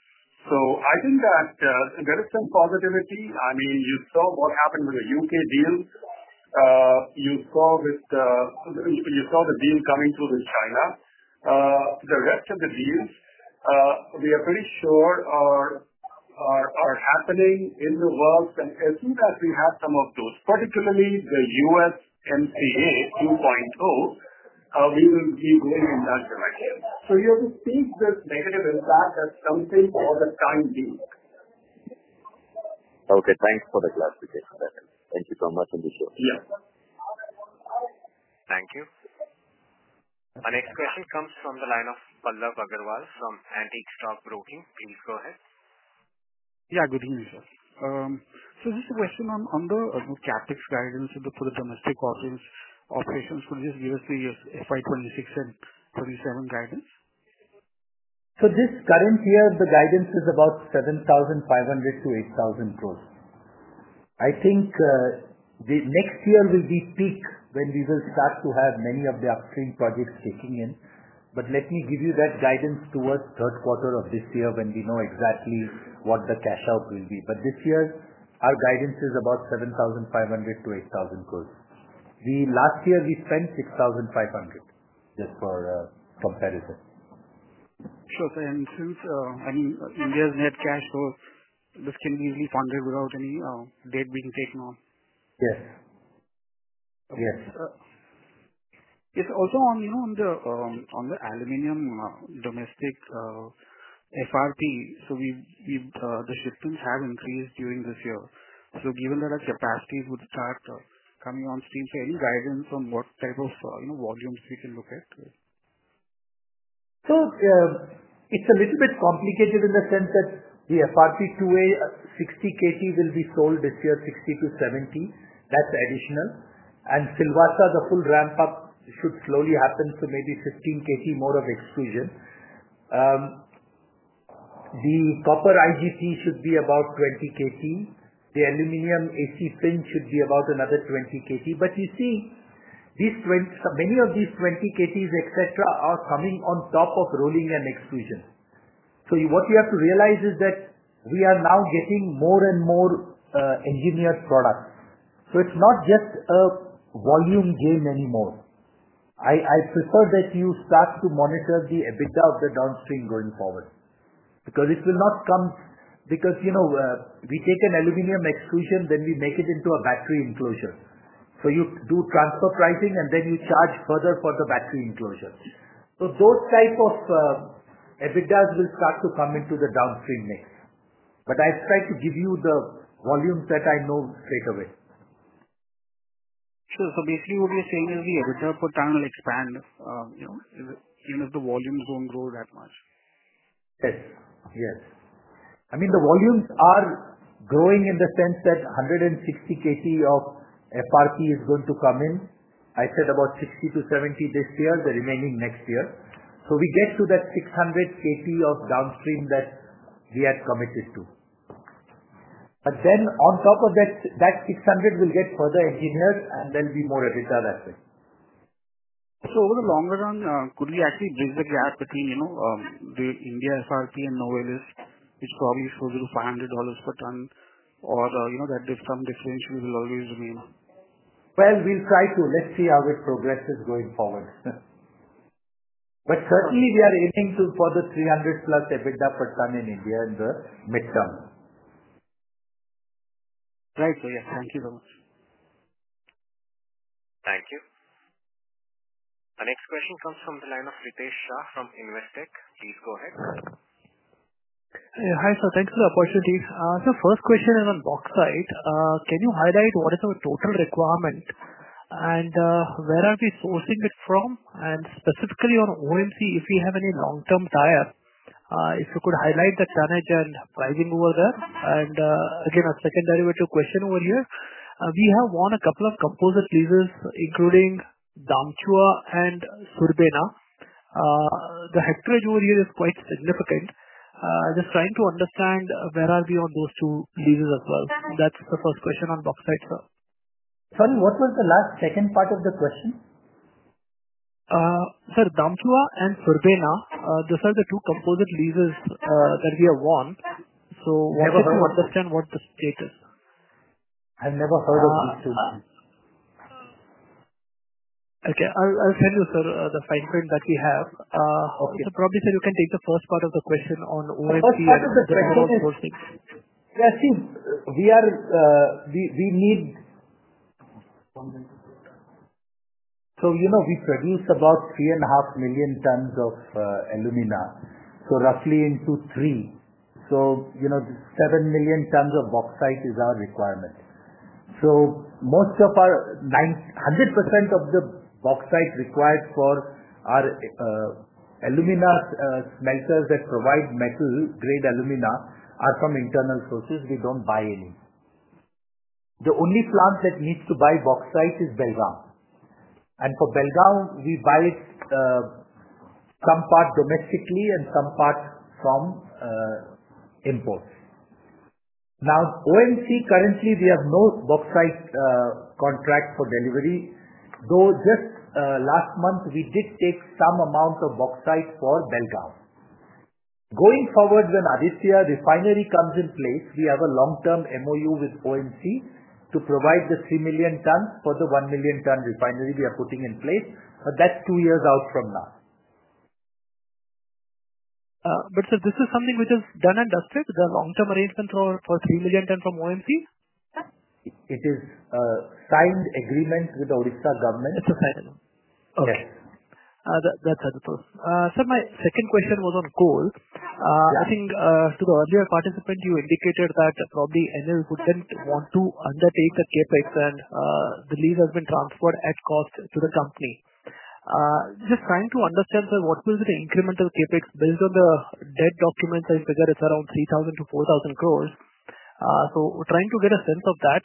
S6: I think that there is some positivity. I mean, you saw what happened with the U.K. deal. You saw the deal coming through with China. The rest of the deals, we are pretty sure are happening in the world. As soon as we have some of those, particularly the USMCA 2.0, we will be going in that direction. You have to see this negative impact as something for the time being.
S9: Okay. Thanks for the clarification, sir. Thank you so much, and you too.
S10: Yeah.
S1: Thank you. Our next question comes from the line of Pallav Agarwal from Antique Stock Broking. Please go ahead.
S11: Yeah. Good evening, sir. So just a question on the CapEx guidance for the domestic audience operations. Could you just give us the fiscal year 2026 and 2027 guidance?
S3: This current year, the guidance is about 7,500-8,000 crore. I think the next year will be peak when we will start to have many of the upstream projects kicking in. Let me give you that guidance towards the third quarter of this year when we know exactly what the cash out will be. This year, our guidance is about 7,500-8,000 crore. Last year, we spent 6,500 crore just for comparison.
S11: Sure. I mean, India's net cash flow, this can be easily funded without any debt being taken on?
S3: Yes. Yes.
S11: Yes. Also on the aluminum domestic FRP, the shipments have increased during this year. Given that our capacity would start coming on stream, any guidance on what type of volumes we can look at?
S3: It is a little bit complicated in the sense that the FRP 2A 60 KT will be sold this year, 60 KT-70 KT. That is additional. Silvasa, the full ramp-up should slowly happen to maybe 15 KT more of extrusion. The copper IGT should be about 20 KT. The aluminum AC fin should be about another 20 KT. You see, many of these 20 KTs, etc., are coming on top of rolling and extrusion. What you have to realize is that we are now getting more and more engineered products. It is not just a volume gain anymore. I prefer that you start to monitor the EBITDA of the downstream going forward because it will not come because we take an aluminum extrusion, then we make it into a battery enclosure. You do transfer pricing, and then you charge further for the battery enclosure. Those type of EBITDAs will start to come into the downstream mix. I have tried to give you the volumes that I know straight away.
S11: Sure. So basically, what you're saying is the EBITDA per tonne will expand even if the volumes don't grow that much?
S3: Yes. Yes. I mean, the volumes are growing in the sense that 160 KT of FRP is going to come in. I said about 60 KT-70 KT this year, the remaining next year. We get to that 600 KT of downstream that we had committed to. Then on top of that, that 600 KT will get further engineered, and there'll be more EBITDA that way.
S11: Over the longer run, could we actually bridge the gap between the India FRP and Novelis, which probably shows you $500 per ton, or that some differential will always remain?
S3: We will try to. Let's see how it progresses going forward. Certainly, we are aiming for the $300-plus EBITDA per ton in India in the midterm.
S11: Right. Yes. Thank you so much.
S1: Thank you. Our next question comes from the line of Ritesh Shah from Investec. Please go ahead.
S12: Hi, sir. Thank you for the opportunity. The first question is on bauxite. Can you highlight what is our total requirement and where are we sourcing it from? Specifically on OMC, if we have any long-term tie-up, if you could highlight the tonnage and pricing over there. A secondary question over here. We have won a couple of composite leases, including Damchua and Surbena. The hectareage over here is quite significant. Just trying to understand where are we on those two leases as well. That is the first question on bauxite, sir.
S3: Sorry, what was the last second part of the question?
S12: Sir, Damchua and Surbena, those are the two composite leases that we have won. I wanted to understand what the state is.
S3: I've never heard of these two.
S12: Okay. I'll send you, sir, the fine print that we have. Probably, sir, you can take the first part of the question on OMC and the second on sourcing.
S3: Yeah. See, we need, so we produce about 3.5 million tons of alumina, so roughly into three. So 7 million tons of bauxite is our requirement. So most of our, 100% of the bauxite required for our alumina smelters that provide metal-grade alumina, are from internal sources. We do not buy any. The only plant that needs to buy bauxite is Belgavi. And for Belgavi, we buy some part domestically and some part from imports. Now, OMC, currently, we have no bauxite contract for delivery, though just last month, we did take some amount of bauxite for Belgavi. Going forward, when Aditya refinery comes in place, we have a long-term MOU with OMC to provide the 3 million tons for the 1 million ton refinery we are putting in place. That is two years out from now.
S12: Sir, this is something which is done and dusted, the long-term arrangement for 3 million ton from OMC?
S3: It is signed agreements with the Odisha government.
S12: It's a signed agreement.
S3: Yes.
S12: That's it. Sir, my second question was on coal. I think to the earlier participant, you indicated that probably EMIL wouldn't want to undertake the CapEx, and the lease has been transferred at cost to the company. Just trying to understand, sir, what was the incremental CapEx based on the debt documents? I figure it's around 3,000-4,000 crore. So trying to get a sense of that.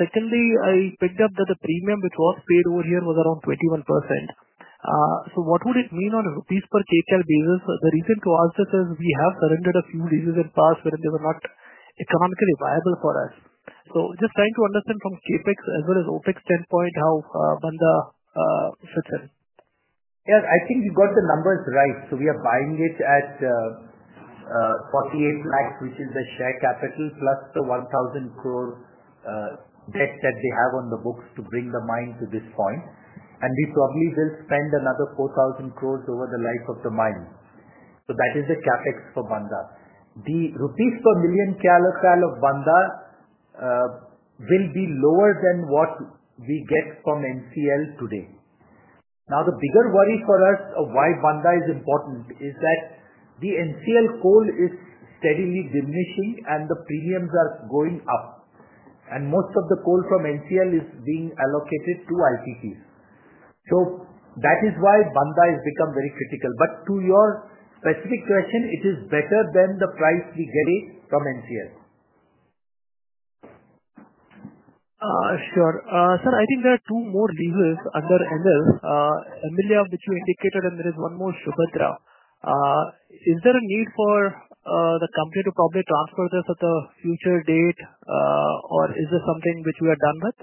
S12: Secondly, I picked up that the premium which was paid over here was around 21%. What would it mean on a rupees per Kcal basis? The reason to ask this is we have surrendered a few leases in past when they were not economically viable for us. Just trying to understand from CapEx as well as OpEx standpoint how Bandha fits in.
S3: Yes. I think you got the numbers right. We are buying it at 4.8 million, which is the share capital plus the 10 billion debt that they have on the books to bring the mine to this point. We probably will spend another 40 billion over the life of the mine. That is the CapEx for Bandha. The rupees per million Kcal of Bandha will be lower than what we get from NCL today. Now, the bigger worry for us of why Bandha is important is that the NCL coal is steadily diminishing and the premiums are going up. Most of the coal from NCL is being allocated to IPPs. That is why Bandha has become very critical. To your specific question, it is better than the price we get from NCL.
S12: Sure. Sir, I think there are two more leases under NCL. Amelia, which you indicated, and there is one more, Subhadra. Is there a need for the company to probably transfer this at a future date, or is this something which we are done with?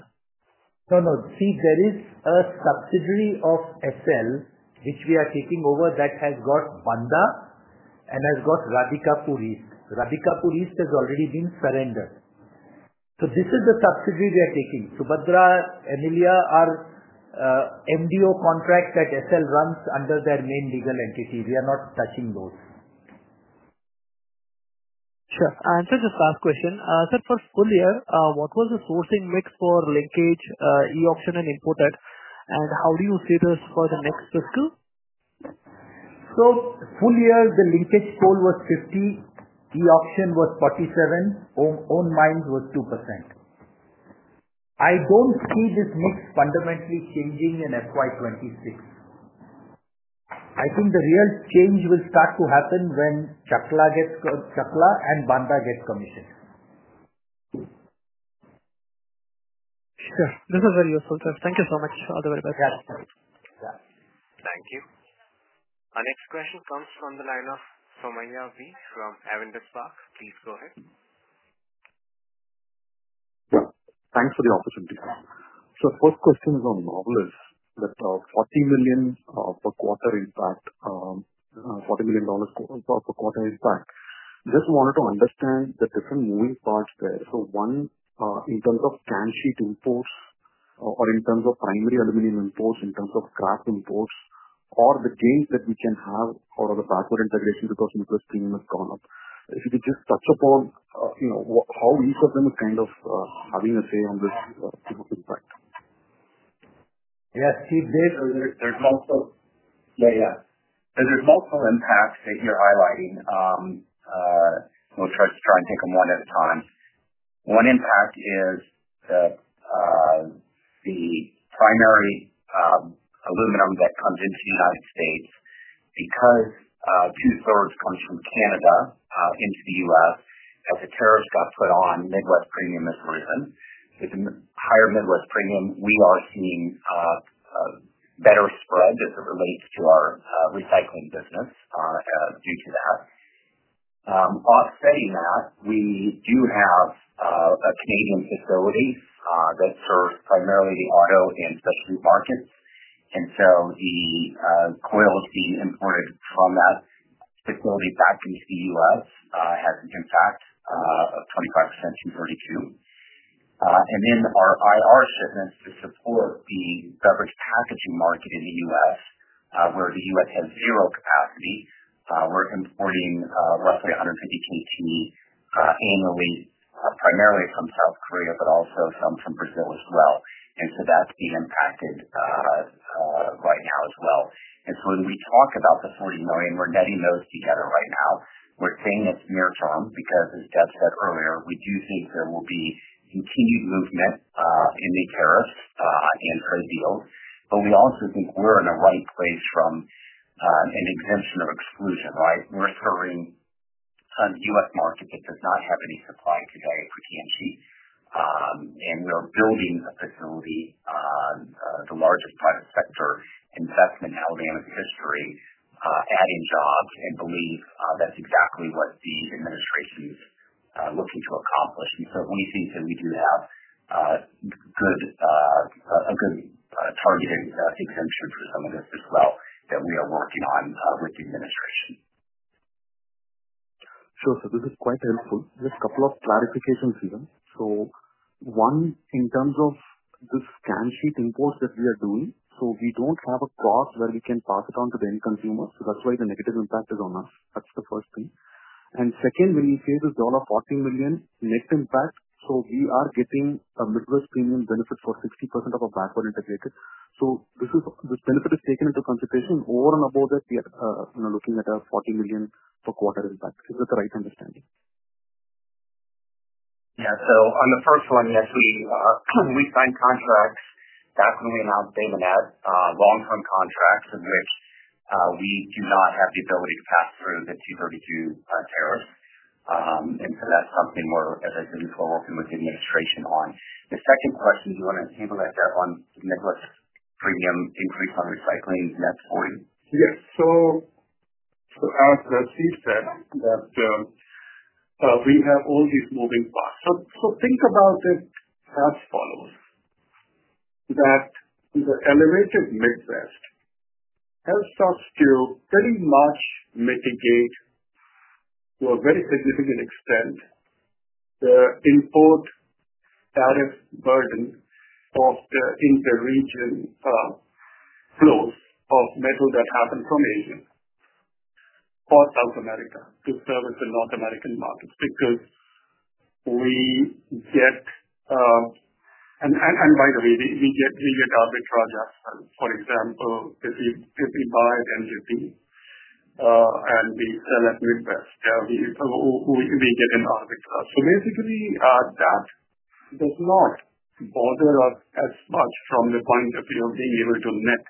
S3: No, no. See, there is a subsidiary of Essel, which we are taking over that has got Bandha and has got Radhikapur East. Radhikapur East has already been surrendered. So this is the subsidiary we are taking. Subhadra, Amelia, our MDO contract that SL runs under their main legal entity. We are not touching those.
S12: Sure. Sir, just last question. Sir, for full year, what was the sourcing mix for linkage, e-auction, and imported, and how do you see this for the next fiscal?
S3: Full year, the linkage coal was 50%, e-auction was 47%, own mines was 2%. I do not see this mix fundamentally changing in FY 2026. I think the real change will start to happen when Chakla and Bandha get commissioned.
S12: Sure. This is very useful, sir. Thank you so much. All the very best.
S3: Yeah.
S1: Thank you. Our next question comes from the line of Somaiah V. from Avendus Spark. Please go ahead.
S13: Thanks for the opportunity. Sir, first question is on Novelis, that $40 million per quarter impact, $40 million per quarter impact. Just wanted to understand the different moving parts there. One, in terms of can sheet imports or in terms of primary aluminum imports, in terms of scrap imports, or the gains that we can have out of the backward integration because nuclear steam has gone up. If you could just touch upon how each of them is kind of having a say on this impact.
S6: Yes. Steve, Dev?
S13: multiple.
S6: Yeah. Yeah. There are multiple impacts that you're highlighting. We'll try and take them one at a time. One impact is the primary aluminum that comes into the U.S. because two-thirds comes from Canada into the U.S. As the tariffs got put on, Midwest premium has risen. With higher Midwest premium, we are seeing better spread as it relates to our recycling business due to that. Offsetting that, we do have a Canadian facility that serves primarily the auto and specialty markets. The coil that is being imported from that facility back into the U.S. has an impact of 25%-32%. Our IR shipments to support the beverage packaging market in the U.S., where the U.S. has zero capacity, we're importing roughly 150 KT annually, primarily from South Korea, but also some from Brazil as well. That is being impacted right now as well. When we talk about the $40 million, we're netting those together right now. We're saying that's near-term because, as Dev said earlier, we do think there will be continued movement in the tariffs and trade deals. We also think we're in a right place from an exemption of exclusion, right? We're serving a U.S. market that does not have any supply today for can sheet. We're building a facility, the largest private sector investment in Alabama's history, adding jobs. We believe that's exactly what the administration is looking to accomplish. We think that we do have a good targeted exemption for some of this as well that we are working on with the administration.
S13: Sure. This is quite helpful. Just a couple of clarifications here. One, in terms of this can sheet imports that we are doing, we do not have a cost where we can pass it on to the end consumer. That is why the negative impact is on us. That is the first thing. Second, when you say this $40 million net impact, we are getting a Midwest premium benefit for 60% of our backward integrated. This benefit is taken into consideration. Over and above that, we are looking at a $40 million per quarter impact. Is that the right understanding?
S6: Yeah. On the first one, yes, we signed contracts back when we announced Dave and Ed, long-term contracts of which we do not have the ability to pass through the 232 tariffs. That is something we are, as I said, working with the administration on. The second question, do you want to table that on Midwest premium increase on recycling net $40 million?
S10: Yes. As Steve said, we have all these moving parts. Think about it as follows: the elevated Midwest helps us to pretty much mitigate to a very significant extent the import tariff burden of the inter-region flows of metal that happen from Asia or South America to service the North American markets because we get—and by the way, we get arbitrage as well. For example, if we buy at MJP and we sell at Midwest, we get an arbitrage. That does not bother us as much from the point of view of being able to net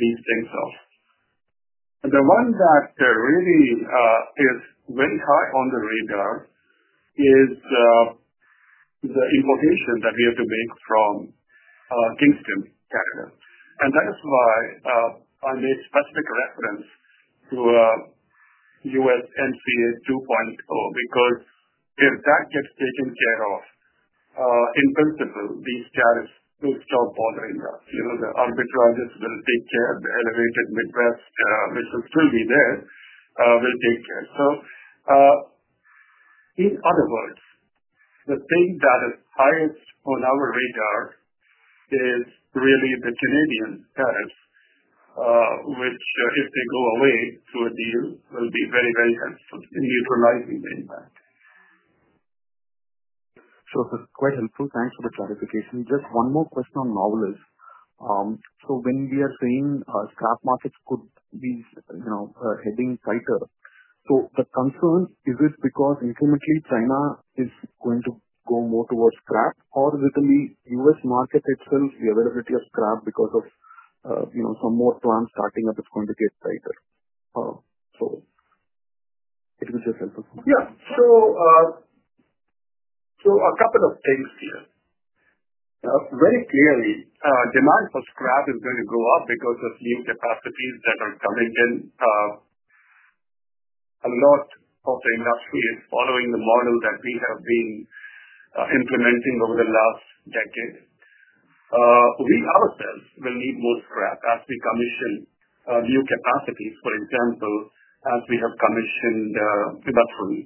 S10: these things off. The one that really is very high on the radar is the importation that we have to make from Kingston, Canada. That is why I made specific reference to USMCA 2.0 because if that gets taken care of, in principle, these tariffs will stop bothering us. The arbitrages will take care of the elevated Midwest, which will still be there, will take care. In other words, the thing that is highest on our radar is really the Canadian tariffs, which if they go away through a deal, will be very, very helpful in neutralizing the impact.
S13: Sure. Sir, quite helpful. Thanks for the clarification. Just one more question on Novelis. When we are saying scrap markets could be heading tighter, is the concern because incrementally China is going to go more towards scrap, or will the U.S. market itself, the availability of scrap, because of some more plants starting up, is going to get tighter? That was just helpful.
S10: Yeah. A couple of things here. Very clearly, demand for scrap is going to go up because of new capacities that are coming in. A lot of the industry is following the model that we have been implementing over the last decade. We ourselves will need more scrap as we commission new capacities, for example, as we have commissioned industrial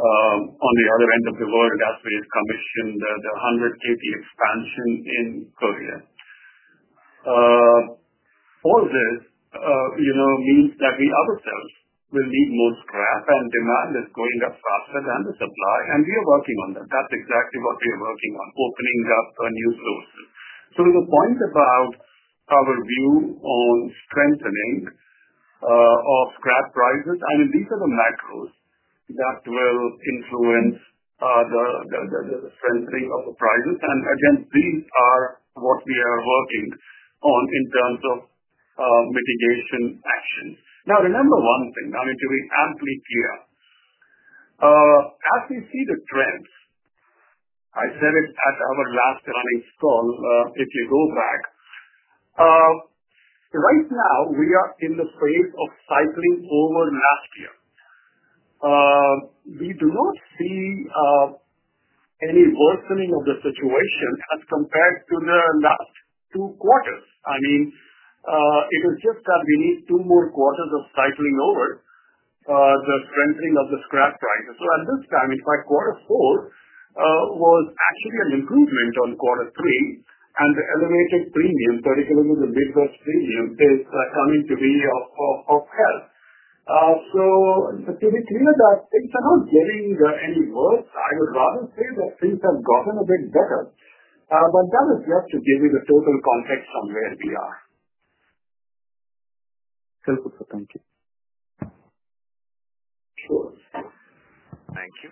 S10: on the other end of the world, as we have commissioned the 100 KT expansion in Korea. All this means that we ourselves will need more scrap, and demand is going up faster than the supply, and we are working on that. That is exactly what we are working on, opening up new sources. The point about our view on strengthening of scrap prices, I mean, these are the macros that will influence the strengthening of the prices. These are what we are working on in terms of mitigation actions. Now, remember one thing. I mean, to be amply clear, as we see the trends, I said it at our last running call, if you go back. Right now, we are in the phase of cycling over last year. We do not see any worsening of the situation as compared to the last two quarters. I mean, it is just that we need two more quarters of cycling over the strengthening of the scrap prices. At this time, in fact, quarter four was actually an improvement on quarter three, and the elevated premium, particularly the Midwest premium, is coming to be of help. To be clear, things are not getting any worse. I would rather say that things have gotten a bit better, but that is just to give you the total context on where we are.
S13: Helpful. Thank you.
S10: Sure.
S1: Thank you.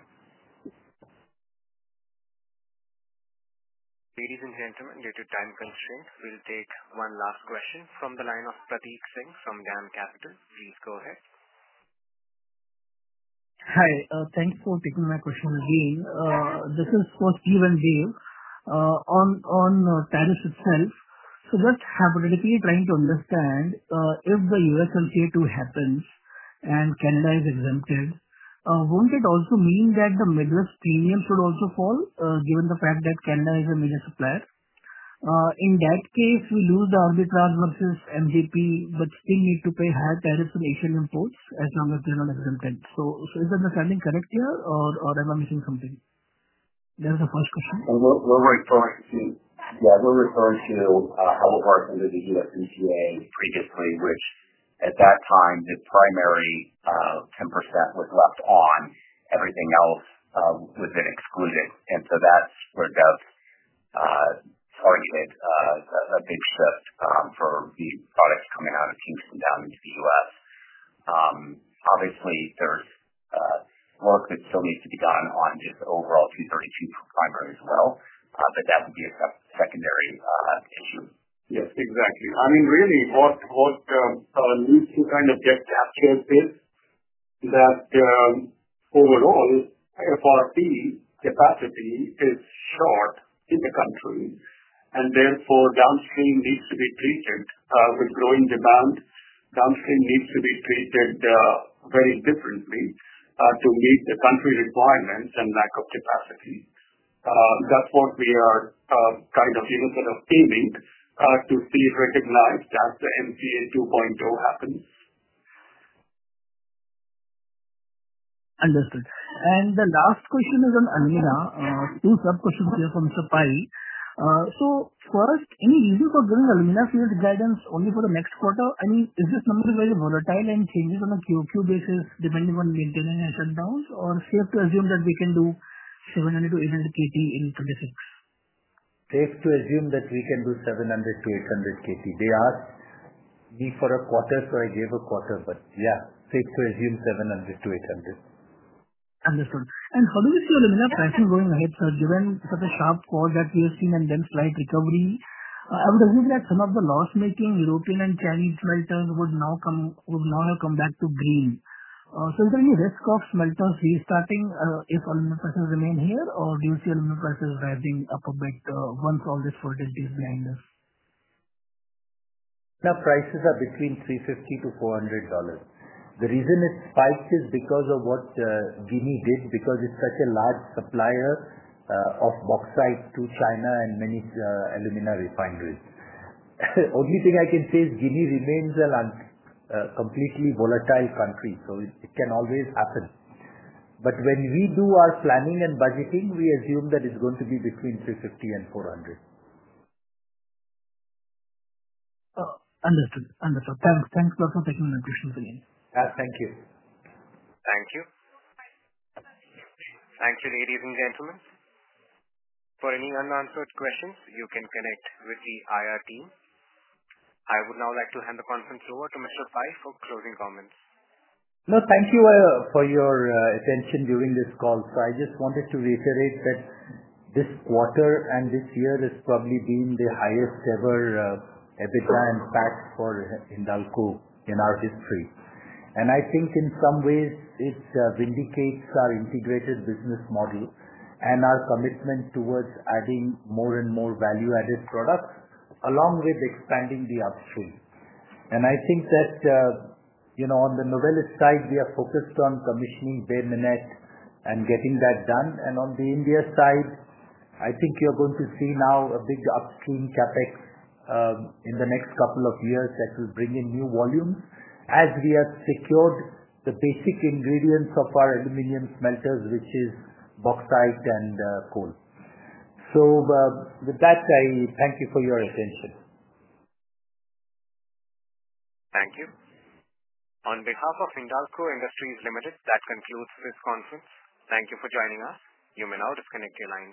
S1: Ladies and gentlemen, due to time constraints, we'll take one last question from the line of Prateek Singh from Dam Capital. Please go ahead.
S5: Hi. Thanks for taking my question again. This is first, Steve and Dev on tariffs itself. Just hypothetically trying to understand, if the USMCA 2 happens and Canada is exempted, won't it also mean that the Midwest premium should also fall given the fact that Canada is a major supplier? In that case, we lose the arbitrage versus MJP, but still need to pay higher tariffs on Asian imports as long as they're not exempted. Is that understanding correct here, or am I missing something? That was the first question.
S6: We're referring to—yeah, we're referring to how we've heard from the USMCA previously, which at that time, the primary 10% was left on. Everything else was then excluded. That is where Dev targeted a big shift for the products coming out of Kingston down into the U.S. Obviously, there's work that still needs to be done on just overall 232 primary as well, but that would be a secondary issue.
S10: Yes. Exactly. I mean, really, what needs to kind of get captured is that overall, FRP capacity is short in the country, and therefore, downstream needs to be treated with growing demand. Downstream needs to be treated very differently to meet the country requirements and lack of capacity. That is what we are kind of even sort of aiming to see recognized as the MCA 2.0 happens.
S5: Understood. The last question is on alumina. Two sub-questions here for Mr. Pai. First, any reason for giving alumina field guidance only for the next quarter? I mean, is this number very volatile and changes on a QOQ basis depending on maintenance and shutdowns, or safe to assume that we can do 700 KT-800 KT in 2026?
S3: Safe to assume that we can do 700 KT-800 KT. They asked me for a quarter, so I gave a quarter, but yeah, safe to assume 700 KT-800 KT.
S5: Understood. How do you see alumina prices going ahead, sir, given such a sharp fall that we have seen and then slight recovery? I would assume that some of the loss-making European and Chinese smelters would now have come back to green. Is there any risk of smelters restarting if alumina prices remain here, or do you see alumina prices rising up a bit once all this volatility is behind us?
S3: Now, prices are between $350-$400. The reason it spiked is because of what Guinea did, because it is such a large supplier of bauxite to China and many alumina refineries. Only thing I can say is Guinea remains a completely volatile country, so it can always happen. When we do our planning and budgeting, we assume that it is going to be between $350 and $400.
S5: Understood. Understood. Thanks a lot for taking my questions again.
S3: Thank you.
S1: Thank you. Thank you, ladies and gentlemen. For any unanswered questions, you can connect with the IR team. I would now like to hand the conference over to Mr. Pai for closing comments.
S3: No, thank you for your attention during this call. I just wanted to reiterate that this quarter and this year has probably been the highest-ever EBITDA impact for Hindalco in our history. I think in some ways, it vindicates our integrated business model and our commitment towards adding more and more value-added products along with expanding the upstream. I think that on the Novelis side, we are focused on commissioning Bay Minette and getting that done. On the India side, I think you are going to see now a big upstream CapEx in the next couple of years that will bring in new volumes as we have secured the basic ingredients of our aluminum smelters, which is bauxite and coal. With that, I thank you for your attention.
S1: Thank you. On behalf of Hindalco Industries, that concludes this conference. Thank you for joining us. You may now disconnect the line.